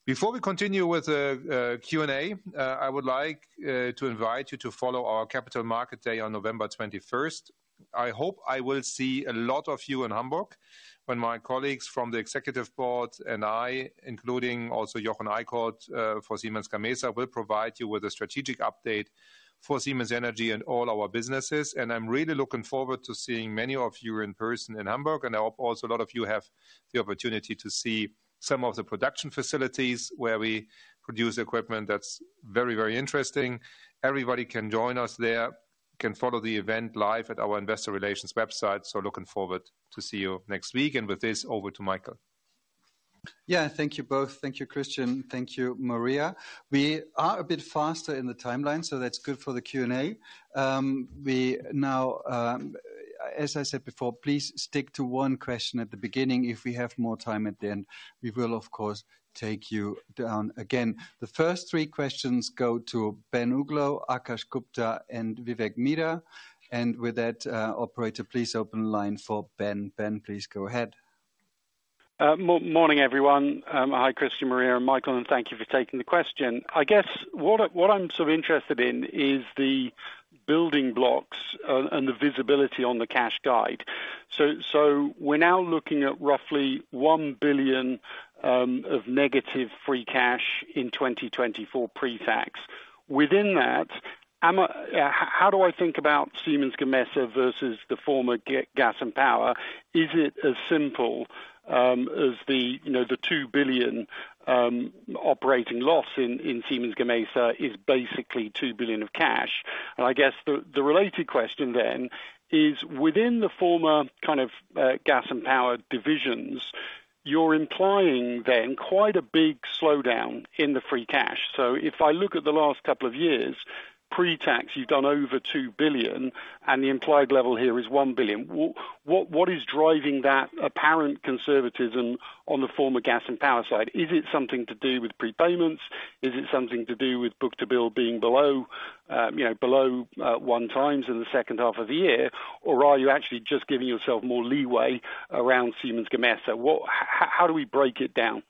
Before we continue with the Q&A, I would like to invite you to follow our Capital Markets Day on November 21st. I hope I will see a lot of you in Hamburg when my colleagues from the executive board and I, including also Jochen Eickholt for Siemens Gamesa, will provide you with a strategic update for Siemens Energy and all our businesses. And I'm really looking forward to seeing many of you in person in Hamburg, and I hope also a lot of you have the opportunity to see some of the production facilities where we produce equipment. That's very, very interesting. Everybody can join us there, can follow the event live at our investor relations website. Looking forward to see you next week, and with this, over to Michael. Yeah, thank you both. Thank you, Christian. Thank you, Maria. We are a bit faster in the timeline, so that's good for the Q&A. We now, as I said before, please stick to one question at the beginning. If we have more time at the end, we will, of course, take you down again. The first three questions go to Ben Uglow, Akash Gupta, and Vivek Midha. And with that, operator, please open the line for Ben. Ben, please go ahead. Morning, everyone. Hi, Christian, Maria, and Michael, and thank you for taking the question. I guess what I'm sort of interested in is the building blocks and the visibility on the cash guide. So, we're now looking at roughly 1 billion of negative free cash in 2024 pre-tax. Within that, am I... How do I think about Siemens Gamesa versus the former Gas and Power? Is it as simple as the, you know, the 2 billion operating loss in Siemens Gamesa is basically 2 billion of cash? And I guess the related question then is within the former kind of Gas and Power divisions, you're implying then quite a big slowdown in the free cash. So if I look at the last couple of years, pre-tax, you've done over 2 billion, and the implied level here is 1 billion. What is driving that apparent conservatism on the former Gas and Power side? Is it something to do with prepayments? Is it something to do with book-to-bill being below 1x in the second half of the year? Or are you actually just giving yourself more leeway around Siemens Gamesa? How do we break it down?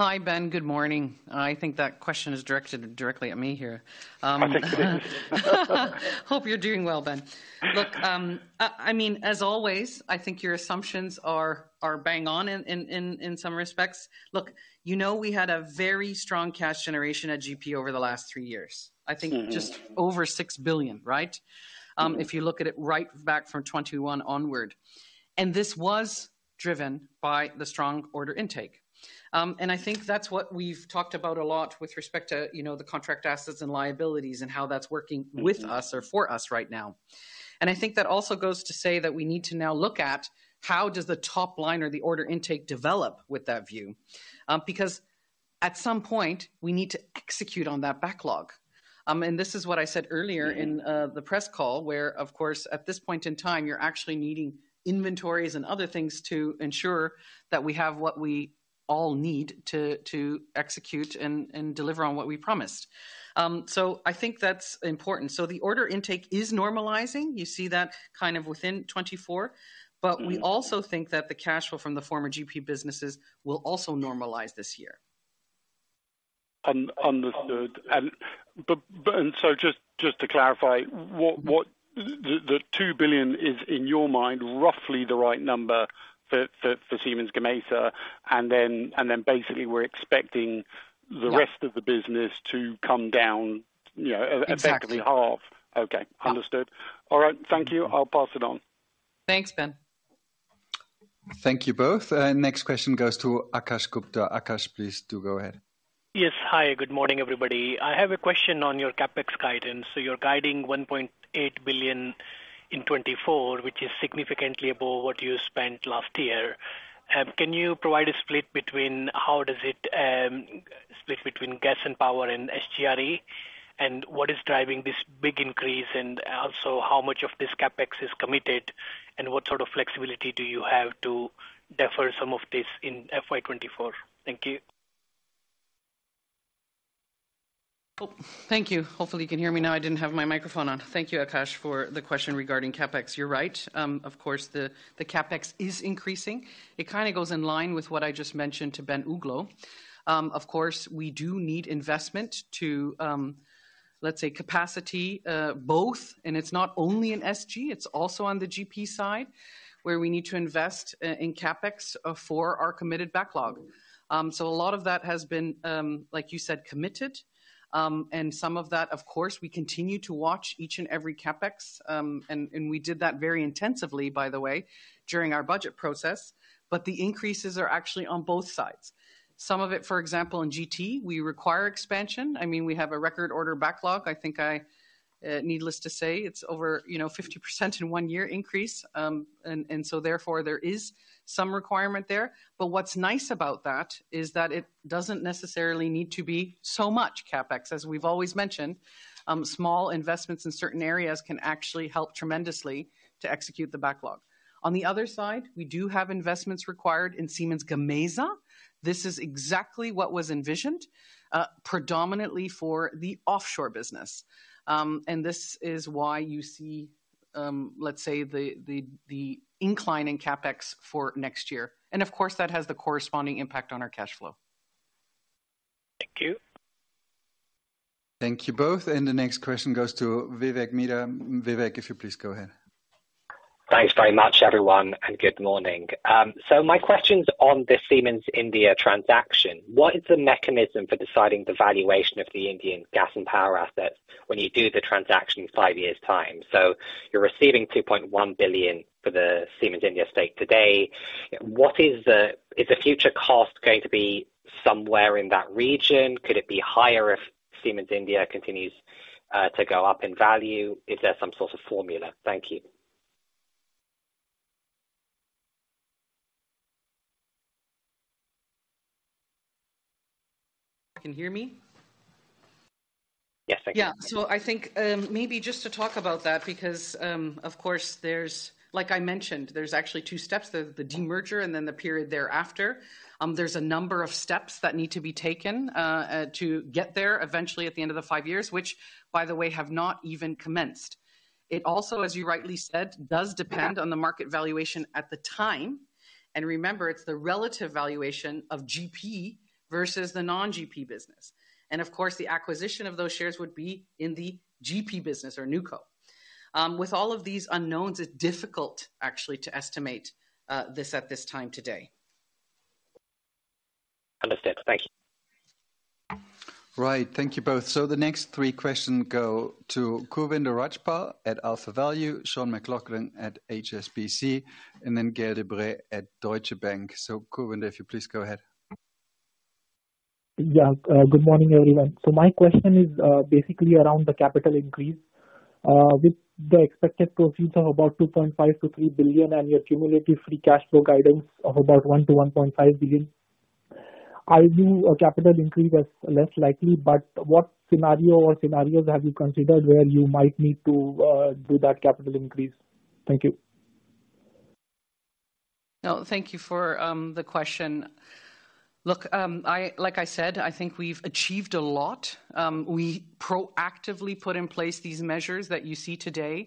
Hi, Ben. Good morning. I think that question is directed directly at me here. Hope you're doing well, Ben. Look, I mean, as always, I think your assumptions are bang on in some respects. Look, you know, we had a very strong cash generation at GP over the last three years. I think just over 6 billion, right? If you look at it right back from 2021 onward. And this was driven by the strong order intake. I think that's what we've talked about a lot with respect to, you know, the contract assets and liabilities and how that's working with us or for us right now. And I think that also goes to say that we need to now look at how does the top line or the order intake develop with that view? Because at some point, we need to execute on that backlog. And this is what I said earlier in the press call, where, of course, at this point in time, you're actually needing inventories and other things to ensure that we have what we all need to execute and deliver on what we promised. So I think that's important. So the order intake is normalizing. You see that kind of within 2024. But we also think that the cash flow from the former GP businesses will also normalize this year. Understood. Just to clarify, what the 2 billion is, in your mind, roughly the right number for Siemens Gamesa, and then basically we're expecting the rest- Yeah of the business to come down, you know, Exactly about the half. Okay, understood. All right, thank you. I'll pass it on. Thanks, Ben. Thank you both. Next question goes to Akash Gupta. Akash, please do go ahead. Yes. Hi, good morning, everybody. I have a question on your CapEx guidance. So you're guiding 1.8 billion in 2024, which is significantly above what you spent last year. Can you provide a split between how does it split between gas and power and SGRE? And what is driving this big increase, and also, how much of this CapEx is committed, and what sort of flexibility do you have to defer some of this in FY 2024? Thank you. Oh, thank you. Hopefully you can hear me now. I didn't have my microphone on. Thank you, Akash, for the question regarding CapEx. You're right, of course, the CapEx is increasing. It kind of goes in line with what I just mentioned to Ben Uglow. Of course, we do need investment to, let's say, capacity, both, and it's not only in SG, it's also on the GS side, where we need to invest in CapEx for our committed backlog. So a lot of that has been, like you said, committed. And some of that, of course, we continue to watch each and every CapEx, and we did that very intensively, by the way, during our budget process, but the increases are actually on both sides. Some of it, for example, in GT, we require expansion. I mean, we have a record order backlog. I think I, needless to say, it's over, you know, 50% in one year increase. And so therefore, there is some requirement there. But what's nice about that is that it doesn't necessarily need to be so much CapEx. As we've always mentioned, small investments in certain areas can actually help tremendously to execute the backlog. On the other side, we do have investments required in Siemens Gamesa. This is exactly what was envisioned, predominantly for the offshore business. And this is why you see, let's say, the incline in CapEx for next year. And of course, that has the corresponding impact on our cash flow. Thank you. Thank you both. The next question goes to Vivek Midha. Vivek, if you please go ahead. Thanks very much, everyone, and good morning. So my question's on the Siemens India transaction. What is the mechanism for deciding the valuation of the Indian gas and power assets when you do the transaction in five years' time? So you're receiving 2.1 billion for the Siemens India stake today. What is the... Is the future cost going to be somewhere in that region? Could it be higher if Siemens India continues to go up in value? Is there some sort of formula? Thank you. You can hear me? Yes, I can. Yeah. So I think, maybe just to talk about that, because, of course, there's—like I mentioned, there's actually two steps, the, the demerger and then the period thereafter. There's a number of steps that need to be taken, to get there eventually at the end of the five years, which, by the way, have not even commenced. It also, as you rightly said, does depend on the market valuation at the time. And remember, it's the relative valuation of GP versus the non-GP business. And of course, the acquisition of those shares would be in the GP business or NewCo. With all of these unknowns, it's difficult, actually, to estimate, this at this time today. Understood. Thank you. Right. Thank you both. So the next three questions go to Gurvinder Rajpal at AlphaValue, Sean McLoughlin at HSBC, and then Gael de-Bray at Deutsche Bank. So Gurvinder, if you please go ahead. Yeah, good morning, everyone. So my question is, basically around the capital increase. With the expected proceeds of about 2.5 billion-3 billion and your cumulative free cash flow guidance of about 1 billion-1.5 billion, I view a capital increase as less likely, but what scenario or scenarios have you considered where you might need to do that capital increase? Thank you.... No, thank you for the question. Look, I like I said, I think we've achieved a lot. We proactively put in place these measures that you see today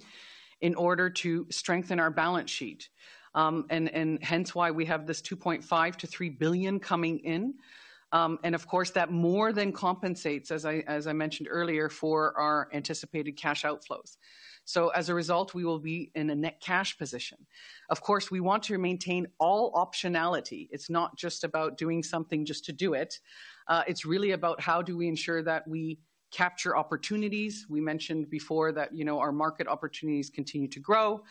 in order to strengthen our balance sheet. And hence why we have this 2.5 billion-3 billion coming in. And of course, that more than compensates, as I mentioned earlier, for our anticipated cash outflows. So as a result, we will be in a net cash position. Of course, we want to maintain all optionality. It's not just about doing something just to do it. It's really about how do we ensure that we capture opportunities. We mentioned before that, you know, our market opportunities continue to grow.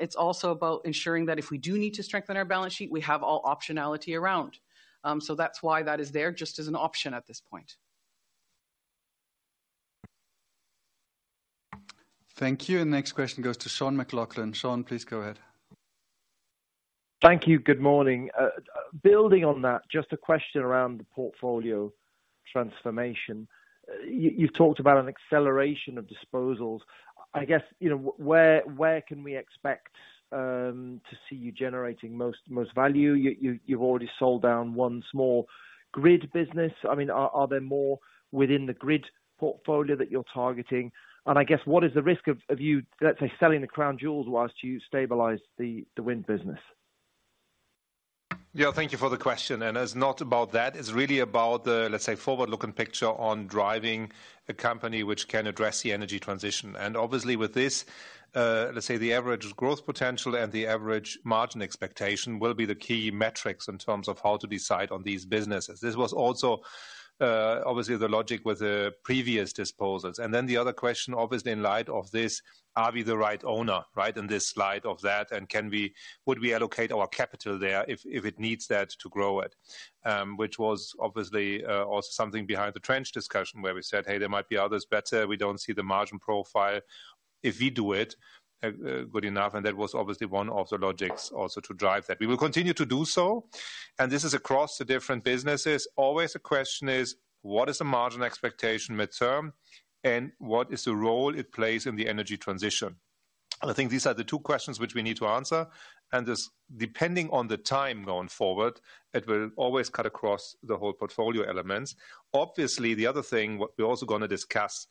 It's also about ensuring that if we do need to strengthen our balance sheet, we have all optionality around. So that's why that is there, just as an option at this point. Thank you. The next question goes to Sean McLoughlin. Sean, please go ahead. Thank you. Good morning. Building on that, just a question around the portfolio transformation. You've talked about an acceleration of disposals. I guess, you know, where can we expect to see you generating most value? You've already sold down one small grid business. I mean, are there more within the grid portfolio that you're targeting? And I guess, what is the risk of you, let's say, selling the crown jewels while you stabilize the wind business? Yeah, thank you for the question. And it's not about that. It's really about the, let's say, forward-looking picture on driving a company which can address the energy transition. And obviously, with this, let's say the average growth potential and the average margin expectation will be the key metrics in terms of how to decide on these businesses. This was also obviously the logic with the previous disposals. And then the other question, obviously, in light of this, are we the right owner, right, in this light of that? And can we, would we allocate our capital there if, if it needs that to grow it? which was obviously also something behind the Trench discussion, where we said, "Hey, there might be others better. We don't see the margin profile if we do it good enough." And that was obviously one of the logics also to drive that. We will continue to do so, and this is across the different businesses. Always the question is: What is the margin expectation midterm, and what is the role it plays in the energy transition? I think these are the two questions which we need to answer, and this, depending on the time going forward, it will always cut across the whole portfolio elements. Obviously, the other thing, what we're also gonna discuss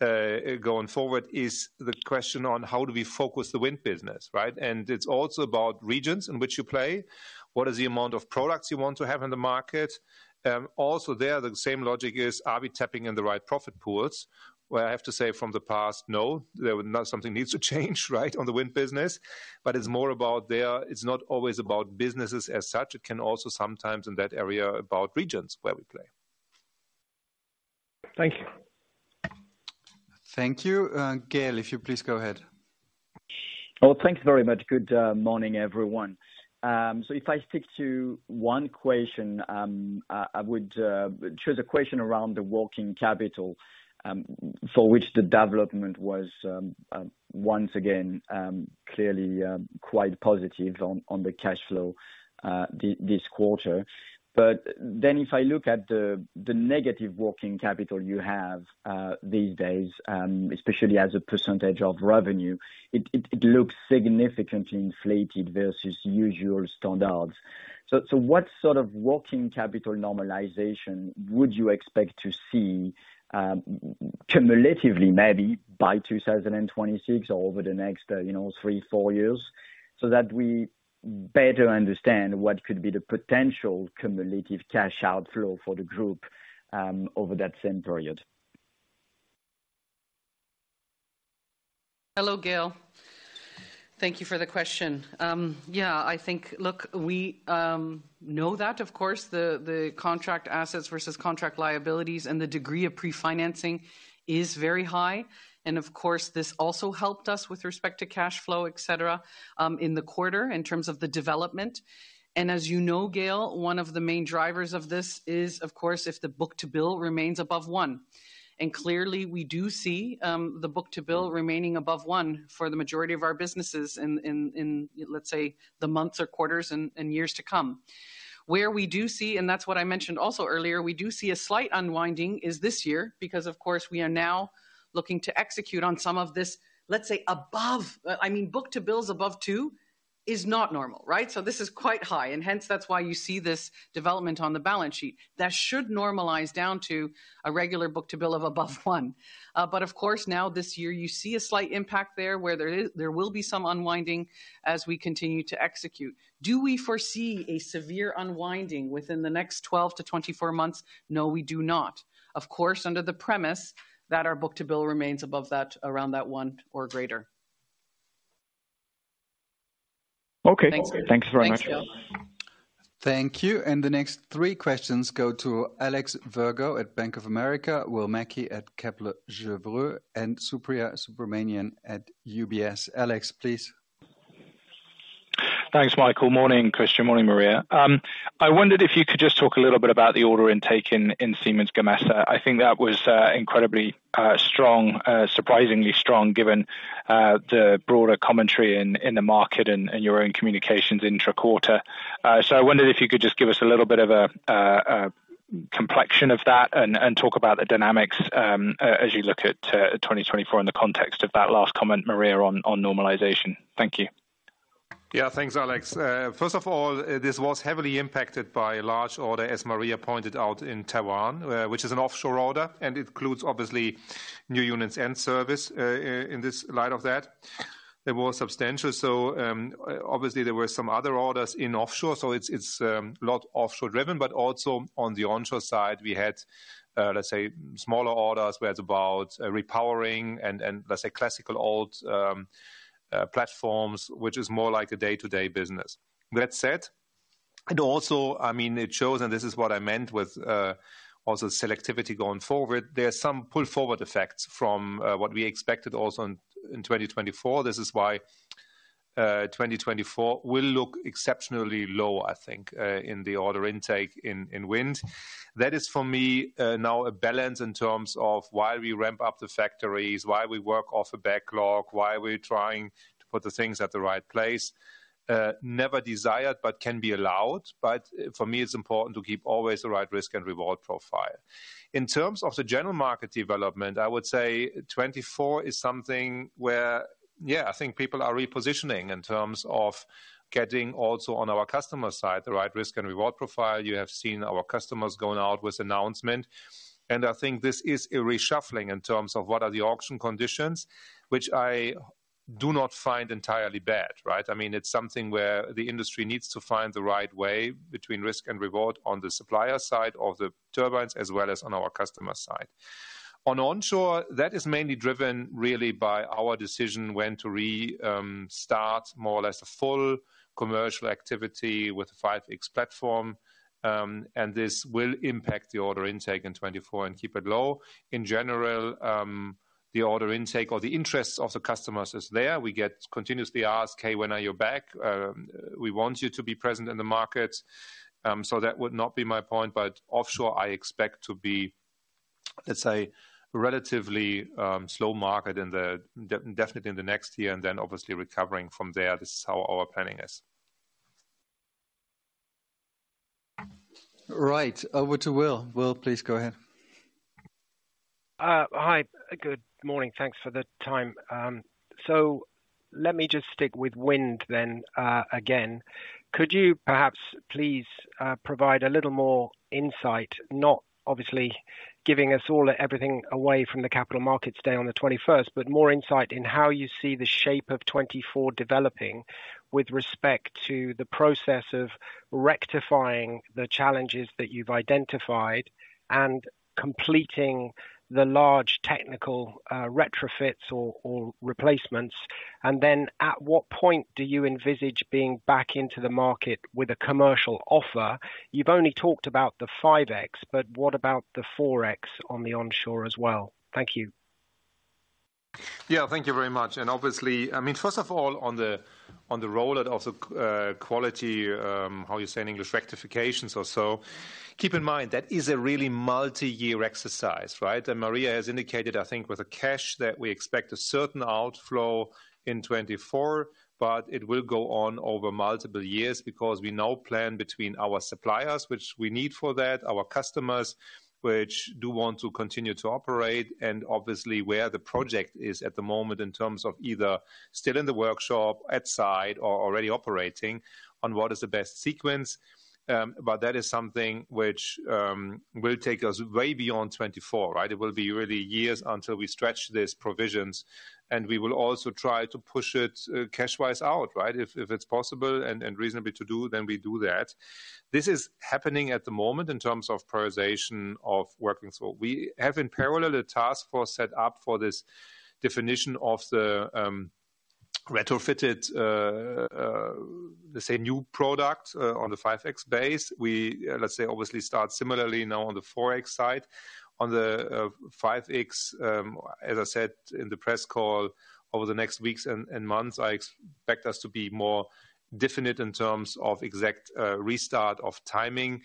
going forward, is the question on: How do we focus the wind business, right? And it's also about regions in which you play. What is the amount of products you want to have in the market? Also there, the same logic is, are we tapping in the right profit pools? Where I have to say from the past, no, there would. Now something needs to change, right, on the wind business. But it's more about there, it's not always about businesses as such, it can also sometimes in that area about regions where we play. Thank you. Thank you. Gael, if you please go ahead. Oh, thank you very much. Good morning, everyone. So if I stick to one question, I would choose a question around the working capital, for which the development was once again clearly quite positive on the cashflow this quarter. But then if I look at the negative working capital you have these days, especially as a percentage of revenue, it looks significantly inflated versus usual standards. So what sort of working capital normalization would you expect to see, cumulatively, maybe by 2026 or over the next, you know, 3, 4 years? So that we better understand what could be the potential cumulative cash outflow for the group, over that same period. Hello, Gael. Thank you for the question. Yeah, I think, look, we know that, of course, the contract assets versus contract liabilities and the degree of pre-financing is very high. And of course, this also helped us with respect to cash flow, et cetera, in the quarter, in terms of the development. And as you know, Gael, one of the main drivers of this is, of course, if the book-to-bill remains above one. And clearly, we do see the book-to-bill remaining above one for the majority of our businesses in, let's say, the months or quarters and years to come. Where we do see, and that's what I mentioned also earlier, we do see a slight unwinding is this year, because, of course, we are now looking to execute on some of this, let's say, above—I mean, book-to-bills above 2 is not normal, right? So this is quite high, and hence that's why you see this development on the balance sheet. That should normalize down to a regular book-to-bill of above 1. But of course, now this year, you see a slight impact there where there is, there will be some unwinding as we continue to execute. Do we foresee a severe unwinding within the next 12-24 months? No, we do not. Of course, under the premise that our book-to-bill remains above that, around that 1 or greater. Okay. Thanks. Thanks very much. Thanks, Gael. Thank you. The next three questions go to Alex Virgo at Bank of America, Will Mackie at Kepler Cheuvreux, and Supriya Subramanian at UBS. Alex, please. Thanks, Michael. Morning, Christian, morning, Maria. I wondered if you could just talk a little bit about the order intake in Siemens Gamesa. I think that was incredibly strong, surprisingly strong, given the broader commentary in the market and your own communications intra-quarter.... So I wondered if you could just give us a little bit of a complexion of that and talk about the dynamics as you look at 2024 in the context of that last comment, Maria, on normalization. Thank you. Yeah. Thanks, Alex. First of all, this was heavily impacted by a large order, as Maria pointed out, in Taiwan, which is an offshore order, and it includes, obviously, new units and service. In this light of that, it was substantial. So, obviously, there were some other orders in offshore, so it's a lot offshore-driven. But also on the onshore side, we had smaller orders, where it's about repowering and, let's say, classical old platforms, which is more like a day-to-day business. That said, and also, I mean, it shows, and this is what I meant with also selectivity going forward. There are some pull-forward effects from what we expected also in 2024. This is why 2024 will look exceptionally low, I think, in the order intake in wind. That is for me, now a balance in terms of why we ramp up the factories, why we work off a backlog, why we're trying to put the things at the right place. Never desired, but can be allowed, but for me, it's important to keep always the right risk and reward profile. In terms of the general market development, I would say 2024 is something where, yeah, I think people are repositioning in terms of getting also, on our customer side, the right risk and reward profile. You have seen our customers going out with announcement, and I think this is a reshuffling in terms of what are the auction conditions, which I do not find entirely bad, right? I mean, it's something where the industry needs to find the right way between risk and reward on the supplier side of the turbines, as well as on our customer side. On onshore, that is mainly driven really by our decision when to restart more or less a full commercial activity with a 5X platform, and this will impact the order intake in 2024 and keep it low. In general, the order intake or the interest of the customers is there. We get continuously asked, "Hey, when are you back? We want you to be present in the market." So that would not be my point, but offshore, I expect to be, let's say, a relatively slow market definitely in the next year, and then obviously recovering from there. This is how our planning is. Right. Over to Will. Will, please go ahead. Hi. Good morning. Thanks for the time. So let me just stick with wind then, again. Could you perhaps, please, provide a little more insight, not obviously giving us all everything away from the Capital Markets Day on the 21st, but more insight in how you see the shape of 2024 developing, with respect to the process of rectifying the challenges that you've identified, and completing the large technical, retrofits or, or replacements? And then, at what point do you envisage being back into the market with a commercial offer? You've only talked about the 5X, but what about the 4X on the onshore as well? Thank you. Yeah. Thank you very much, and obviously, I mean, first of all, on the rollout of the quality, how you say in English, rectifications or so, keep in mind, that is a really multiyear exercise, right? And Maria has indicated, I think, with the cash that we expect a certain outflow in 2024, but it will go on over multiple years because we now plan between our suppliers, which we need for that, our customers, which do want to continue to operate, and obviously where the project is at the moment in terms of either still in the workshop, at site, or already operating on what is the best sequence. But that is something which will take us way beyond 2024, right? It will be really years until we stretch these provisions, and we will also try to push it cash-wise out, right? If it's possible and reasonably to do, then we do that. This is happening at the moment in terms of prioritization of working. So we have in parallel, a task force set up for this definition of the retrofitted, let's say new product on the 5X base. We, let's say, obviously start similarly now on the 4X side. On the 5X, as I said in the press call, over the next weeks and months, I expect us to be more definite in terms of exact restart of timing.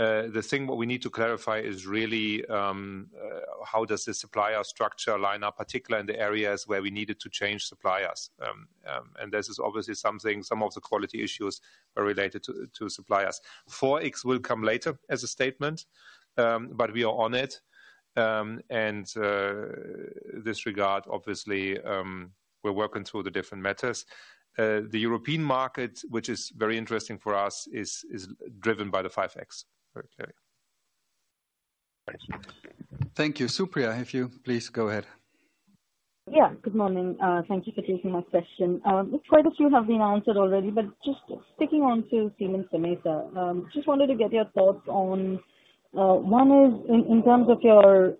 The thing what we need to clarify is really how does the supplier structure line up, particularly in the areas where we needed to change suppliers? And this is obviously something, some of the quality issues are related to suppliers. 4X will come later as a statement, but we are on it, and in this regard, obviously, we're working through the different matters. The European market, which is very interesting for us, is driven by the 5X. Okay. Thank you. Thank you. Supriya, if you please, go ahead. Yeah. Good morning. Thank you for taking my question. Quite a few have been answered already, but just sticking on to Siemens Gamesa, just wanted to get your thoughts on, one is in, in terms of your,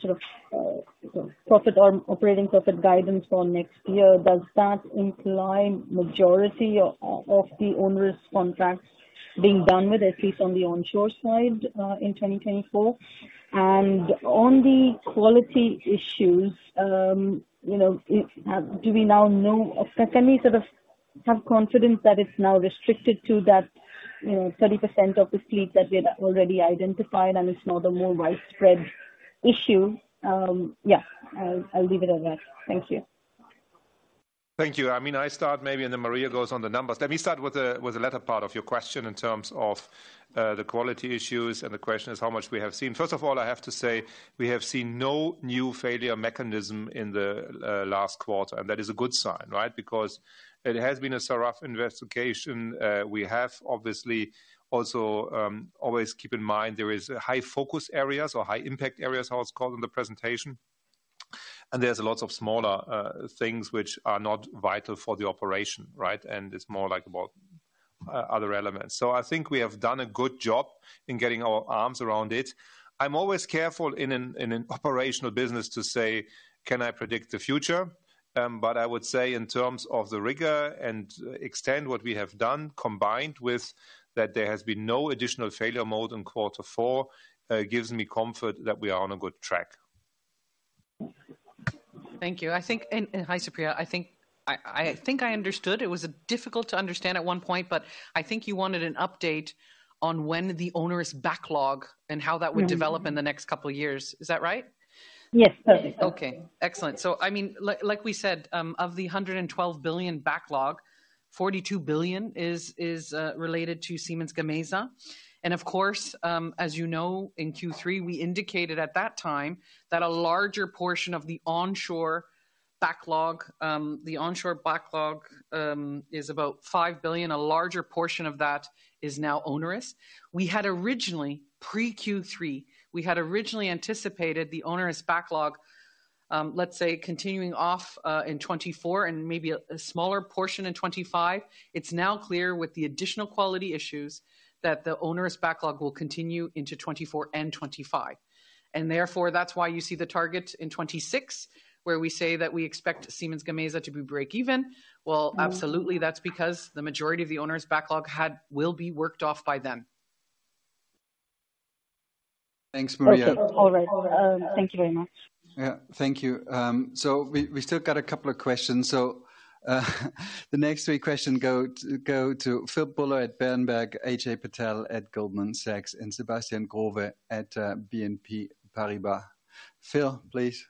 sort of, profit or operating profit guidance for next year, does that imply majority of, of the owner's contracts being done with, at least on the onshore side, in 2024? And on the quality issues, you know, if, do we now know, or can we sort of have confidence that it's now restricted to that, you know, 30% of the fleet that we had already identified, and it's not a more widespread issue? Yeah, I'll, I'll leave it at that. Thank you. ... Thank you. I mean, I start maybe, and then Maria goes on the numbers. Let me start with the, with the latter part of your question in terms of, the quality issues, and the question is how much we have seen. First of all, I have to say, we have seen no new failure mechanism in the last quarter, and that is a good sign, right? Because it has been a rough investigation. We have obviously also always keep in mind there is a high focus areas or high impact areas, how it's called in the presentation, and there's lots of smaller things which are not vital for the operation, right? And it's more like about other elements. So I think we have done a good job in getting our arms around it. I'm always careful in an operational business to say: Can I predict the future? But I would say in terms of the rigor and extent what we have done, combined with that, there has been no additional failure mode in quarter four, gives me comfort that we are on a good track. Thank you. I think, hi, Supriya. I think I understood. It was difficult to understand at one point, but I think you wanted an update on when the onerous backlog and how that would- Mm-hmm. develop in the next couple of years. Is that right? Yes, that is right. Okay, excellent. So I mean, like, like we said, of the 112 billion backlog, 42 billion is related to Siemens Gamesa. And of course, as you know, in Q3, we indicated at that time that a larger portion of the onshore backlog, the onshore backlog, is about 5 billion. A larger portion of that is now onerous. We had originally, pre-Q3, we had originally anticipated the onerous backlog, let's say, continuing off in 2024 and maybe a smaller portion in 2025. It's now clear, with the additional quality issues, that the onerous backlog will continue into 2024 and 2025. And therefore, that's why you see the target in 2026, where we say that we expect Siemens Gamesa to be break even. Well- Mm. Absolutely, that's because the majority of the owners backlog will be worked off by them. Thanks, Maria. Okay. All right. Thank you very much. Yeah. Thank you. So we still got a couple of questions. So, the next three questions go to Phil Buller at Berenberg, Ajay Patel at Goldman Sachs, and Sebastian Growe at BNP Paribas. Phil, please.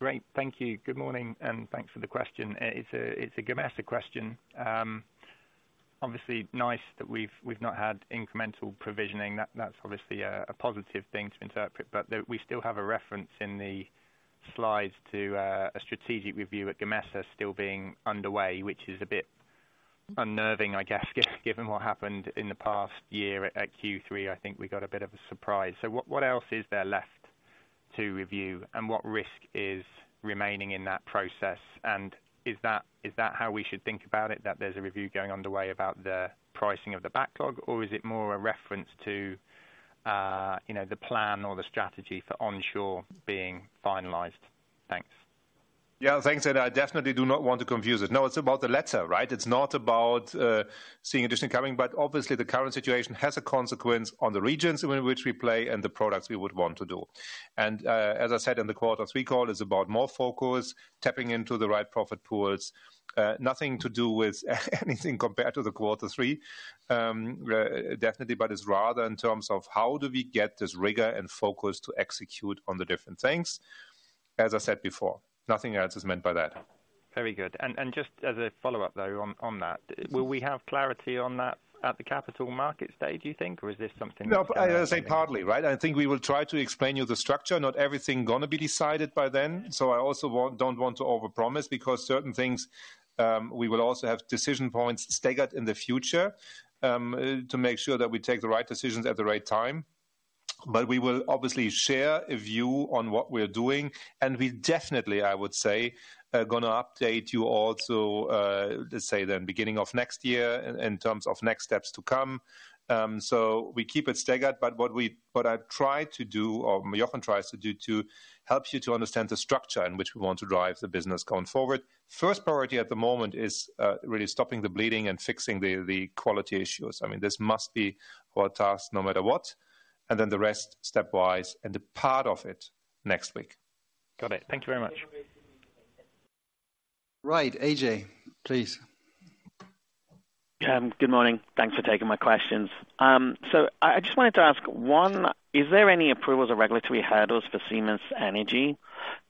Great, thank you. Good morning, and thanks for the question. It's a Gamesa question. Obviously nice that we've not had incremental provisioning. That's obviously a positive thing to interpret, but we still have a reference in the slides to a strategic review at Gamesa still being underway, which is a bit unnerving, I guess, given what happened in the past year at Q3. I think we got a bit of a surprise. So what else is there left to review, and what risk is remaining in that process? And is that how we should think about it, that there's a review going on the way about the pricing of the backlog, or is it more a reference to, you know, the plan or the strategy for onshore being finalized? Thanks. Yeah, thanks. And I definitely do not want to confuse it. No, it's about the latter, right? It's not about seeing addition coming, but obviously, the current situation has a consequence on the regions in which we play and the products we would want to do. And as I said in the quarter three call, it's about more focus, tapping into the right profit pools. Nothing to do with anything compared to the quarter three. Definitely, but it's rather in terms of how do we get this rigor and focus to execute on the different things? As I said before, nothing else is meant by that. Very good. Just as a follow-up, though, on that- Mm. -Will we have clarity on that at the Capital Markets Day, do you think, or is this something that- No, I say partly, right? I think we will try to explain you the structure. Not everything gonna be decided by then, so I also won't, don't want to overpromise because certain things, we will also have decision points staggered in the future, to make sure that we take the right decisions at the right time. But we will obviously share a view on what we're doing, and we definitely, I would say, are gonna update you also, let's say the beginning of next year in terms of next steps to come. So we keep it staggered, but what I've tried to do, or Michael tries to do, to helps you to understand the structure in which we want to drive the business going forward. First priority at the moment is really stopping the bleeding and fixing the quality issues. I mean, this must be our task no matter what. And then the rest, stepwise, and a part of it next week. Got it. Thank you very much. Right. AJ, please. Good morning. Thanks for taking my questions. So I just wanted to ask, one, is there any approvals or regulatory hurdles for Siemens Energy?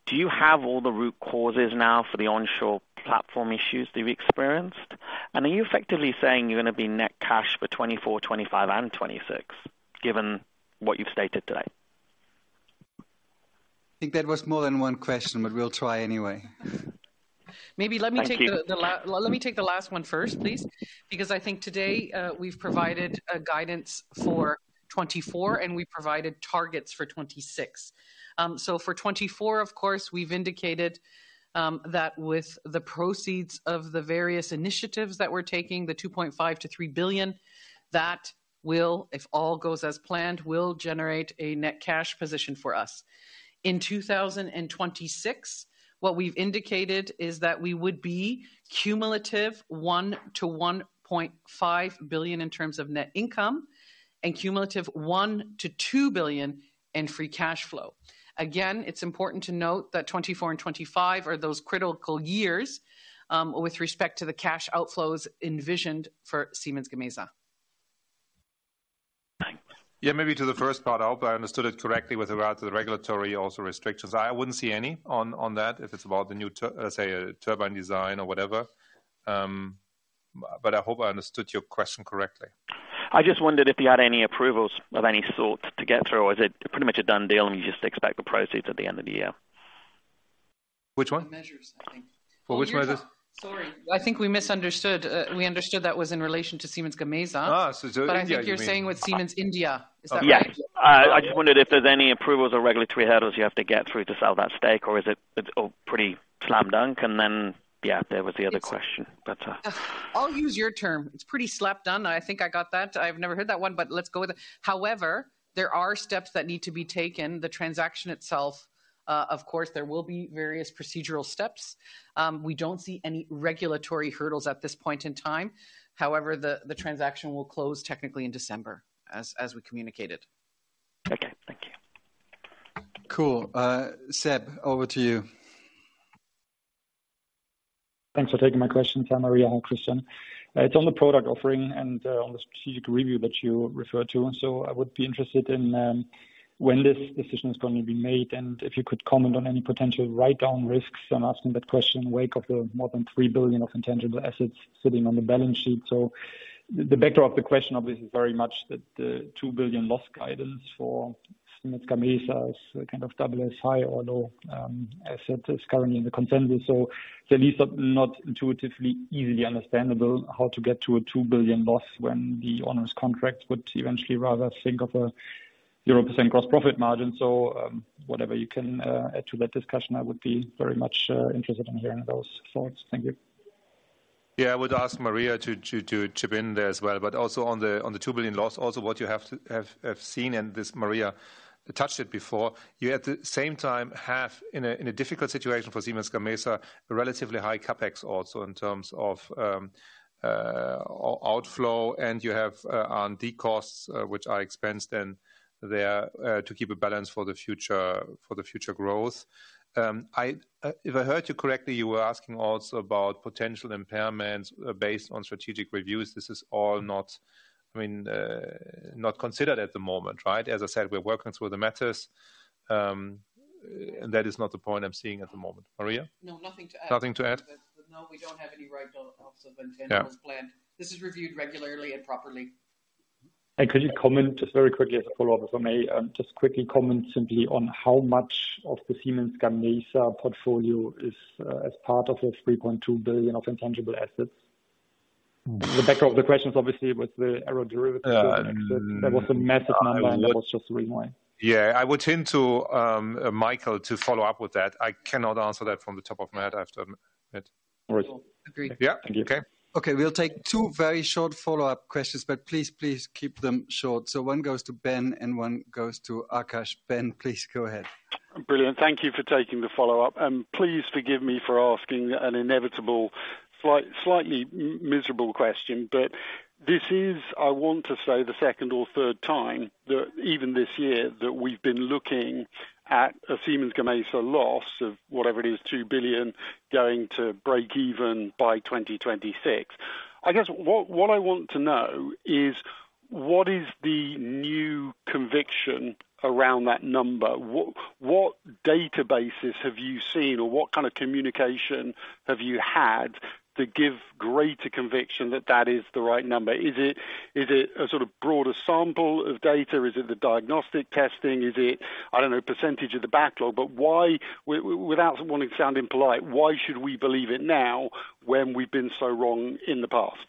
Do you have all the root causes now for the onshore platform issues that you've experienced? And are you effectively saying you're gonna be net cash for 2024, 2025, and 2026, given what you've stated today? I think that was more than one question, but we'll try anyway. Thank you. Maybe let me take the last one first, please, because I think today we've provided a guidance for 2024, and we provided targets for 2026. So for 2024, of course, we've indicated that with the proceeds of the various initiatives that we're taking, the 2.5 billion-3 billion, that will, if all goes as planned, generate a net cash position for us. In 2026, what we've indicated is that we would be cumulative 1 billion-1.5 billion in terms of net income and cumulative 1 billion-2 billion in free cash flow. Again, it's important to note that 2024 and 2025 are those critical years with respect to the cash outflows envisioned for Siemens Gamesa. Yeah, maybe to the first part, I hope I understood it correctly with regard to the regulatory also restrictions. I wouldn't see any on that, if it's about the new turbine design or whatever. But I hope I understood your question correctly. I just wondered if you had any approvals of any sort to get through, or is it pretty much a done deal, and you just expect the proceeds at the end of the year? Which one? The measures, I think. Well, which one was it? Sorry. I think we misunderstood. We understood that was in relation to Siemens Gamesa. Ah, so I think you're saying with Siemens India. Is that right? Yeah. I just wondered if there's any approvals or regulatory hurdles you have to get through to sell that stake, or is it, it's all pretty slam dunk? And then, yeah, there was the other question. That's... I'll use your term. It's pretty slam dunk. I think I got that. I've never heard that one, but let's go with it. However, there are steps that need to be taken. The transaction itself, of course, there will be various procedural steps. We don't see any regulatory hurdles at this point in time. However, the transaction will close technically in December, as we communicated. Okay. Thank you. Cool. Seb, over to you. Thanks for taking my question. Hi, Maria. Hi, Christian. It's on the product offering and on the strategic review that you referred to. So I would be interested in when this decision is gonna be made, and if you could comment on any potential write-down risks. I'm asking that question in wake of the more than 3 billion of intangible assets sitting on the balance sheet. So the backdrop of the question obviously is very much that the 2 billion loss guidance for Siemens Gamesa is kind of WSI, although asset is currently in the consensus. So at least not intuitively easily understandable how to get to a 2 billion loss when the onerous contract would eventually rather think of a 0% gross profit margin. So whatever you can add to that discussion, I would be very much interested in hearing those thoughts. Thank you. Yeah. I would ask Maria to chip in there as well, but also on the 2 billion loss, also, what you have to have seen, and this, Maria touched it before, you at the same time have, in a difficult situation for Siemens Gamesa, a relatively high CapEx also in terms of outflow, and you have R&D costs, which are expensed then there to keep a balance for the future, for the future growth. If I heard you correctly, you were asking also about potential impairments based on strategic reviews. This is all not, I mean, not considered at the moment, right? As I said, we're working through the matters, and that is not the point I'm seeing at the moment. Maria? No, nothing to add. Nothing to add? But no, we don't have any write-down. All has been intended as planned. Yeah. This is reviewed regularly and properly. Could you comment just very quickly as a follow-up, if I may, just quickly comment simply on how much of the Siemens Gamesa portfolio is as part of the 3.2 billion of intangible assets? The backdrop of the question obviously with the aero-derivative- Uh- There was a massive number, and that was just the reason why. Yeah, I would turn to Michael to follow up with that. I cannot answer that from the top of my head. I have to admit. All right. Agreed. Yeah. Thank you. Okay. Okay, we'll take two very short follow-up questions, but please, please keep them short. So one goes to Ben and one goes to Akash. Ben, please go ahead. Brilliant. Thank you for taking the follow-up. Please forgive me for asking an inevitable, slightly miserable question, but this is, I want to say, the second or third time that even this year that we've been looking at a Siemens Gamesa loss of whatever it is, 2 billion, going to break even by 2026. I guess what I want to know is, what is the new conviction around that number? What databases have you seen, or what kind of communication have you had to give greater conviction that that is the right number? Is it a sort of broader sample of data? Is it the diagnostic testing? Is it, I don't know, percentage of the backlog? But why without wanting sounding impolite, why should we believe it now when we've been so wrong in the past?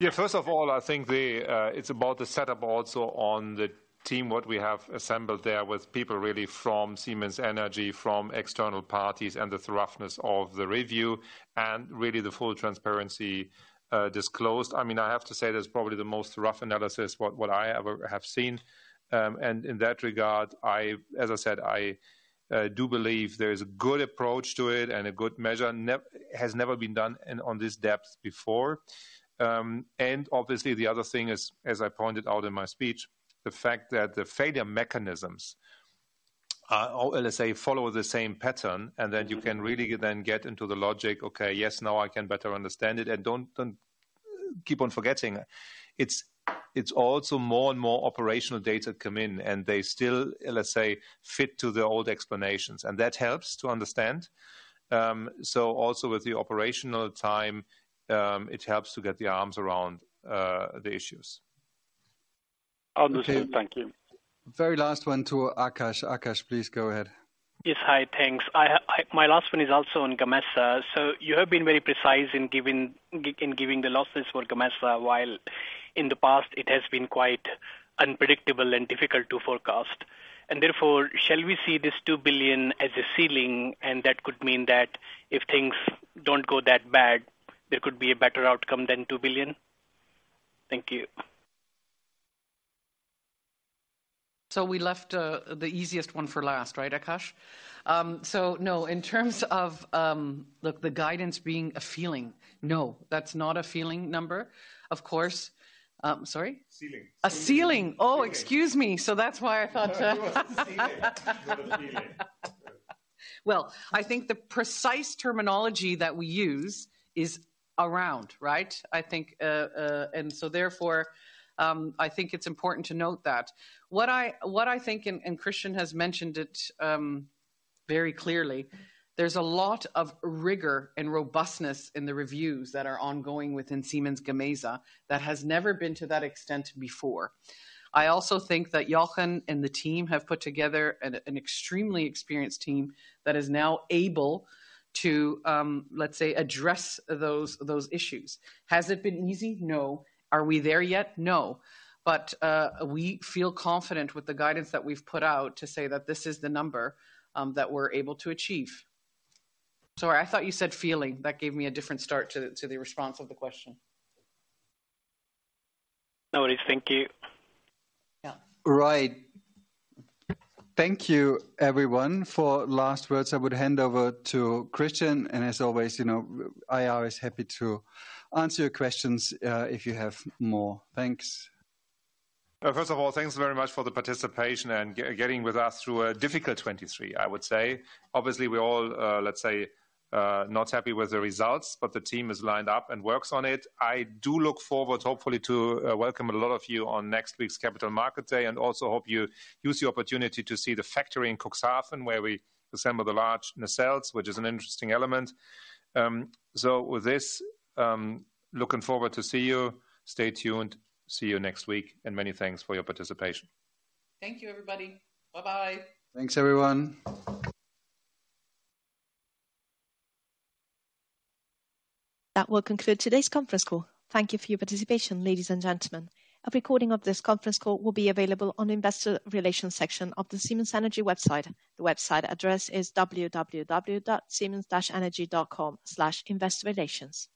Yeah, first of all, I think it's about the setup also on the team, what we have assembled there, with people really from Siemens Energy, from external parties, and the thoroughness of the review and really the full transparency disclosed. I mean, I have to say, that's probably the most thorough analysis what I ever have seen. And in that regard, as I said, I do believe there is a good approach to it and a good measure has never been done to this depth before. And obviously, the other thing is, as I pointed out in my speech, the fact that the failure mechanisms or let's say follow the same pattern, and then you can really get into the logic: "Okay, yes, now I can better understand it," and don't keep on forgetting. It's also more and more operational data come in, and they still, let's say, fit to the old explanations, and that helps to understand. So also with the operational time, it helps to get the arms around the issues. Understood. Thank you. Very last one to Akash. Akash, please go ahead. Yes, hi. Thanks. My last one is also on Gamesa. So you have been very precise in giving in giving the losses for Gamesa, while in the past it has been quite unpredictable and difficult to forecast. And therefore, shall we see this 2 billion as a ceiling, and that could mean that if things don't go that bad, there could be a better outcome than 2 billion? Thank you. So we left the easiest one for last, right, Akash? So no, in terms of, look, the guidance being a feeling, no, that's not a feeling number. Of course, sorry? Ceiling. A ceiling! Oh, excuse me. So that's why I thought. Well, I think the precise terminology that we use is around, right? I think, and so therefore, I think it's important to note that. What I think, and Christian has mentioned it very clearly, there's a lot of rigor and robustness in the reviews that are ongoing within Siemens Gamesa that has never been to that extent before. I also think that Jochen and the team have put together an extremely experienced team that is now able to, let's say, address those issues. Has it been easy? No. Are we there yet? No. But we feel confident with the guidance that we've put out to say that this is the number that we're able to achieve. Sorry, I thought you said feeling. That gave me a different start to the response of the question. No worries. Thank you. Yeah. Right. Thank you, everyone. For last words, I would hand over to Christian, and as always, you know, I are always happy to answer your questions, if you have more. Thanks. First of all, thanks very much for the participation and getting with us through a difficult 2023, I would say. Obviously, we all, let's say, not happy with the results, but the team is lined up and works on it. I do look forward, hopefully, to welcome a lot of you on next week's Capital Markets Day, and also hope you use the opportunity to see the factory in Cuxhaven, where we assemble the large nacelles, which is an interesting element. So with this, looking forward to see you. Stay tuned. See you next week, and many thanks for your participation. Thank you, everybody. Bye-bye. Thanks, everyone. That will conclude today's conference call. Thank you for your participation, ladies and gentlemen. A recording of this conference call will be available on Investor Relations section of the Siemens Energy website. The website address is www.siemens-energy.com/investorrelations.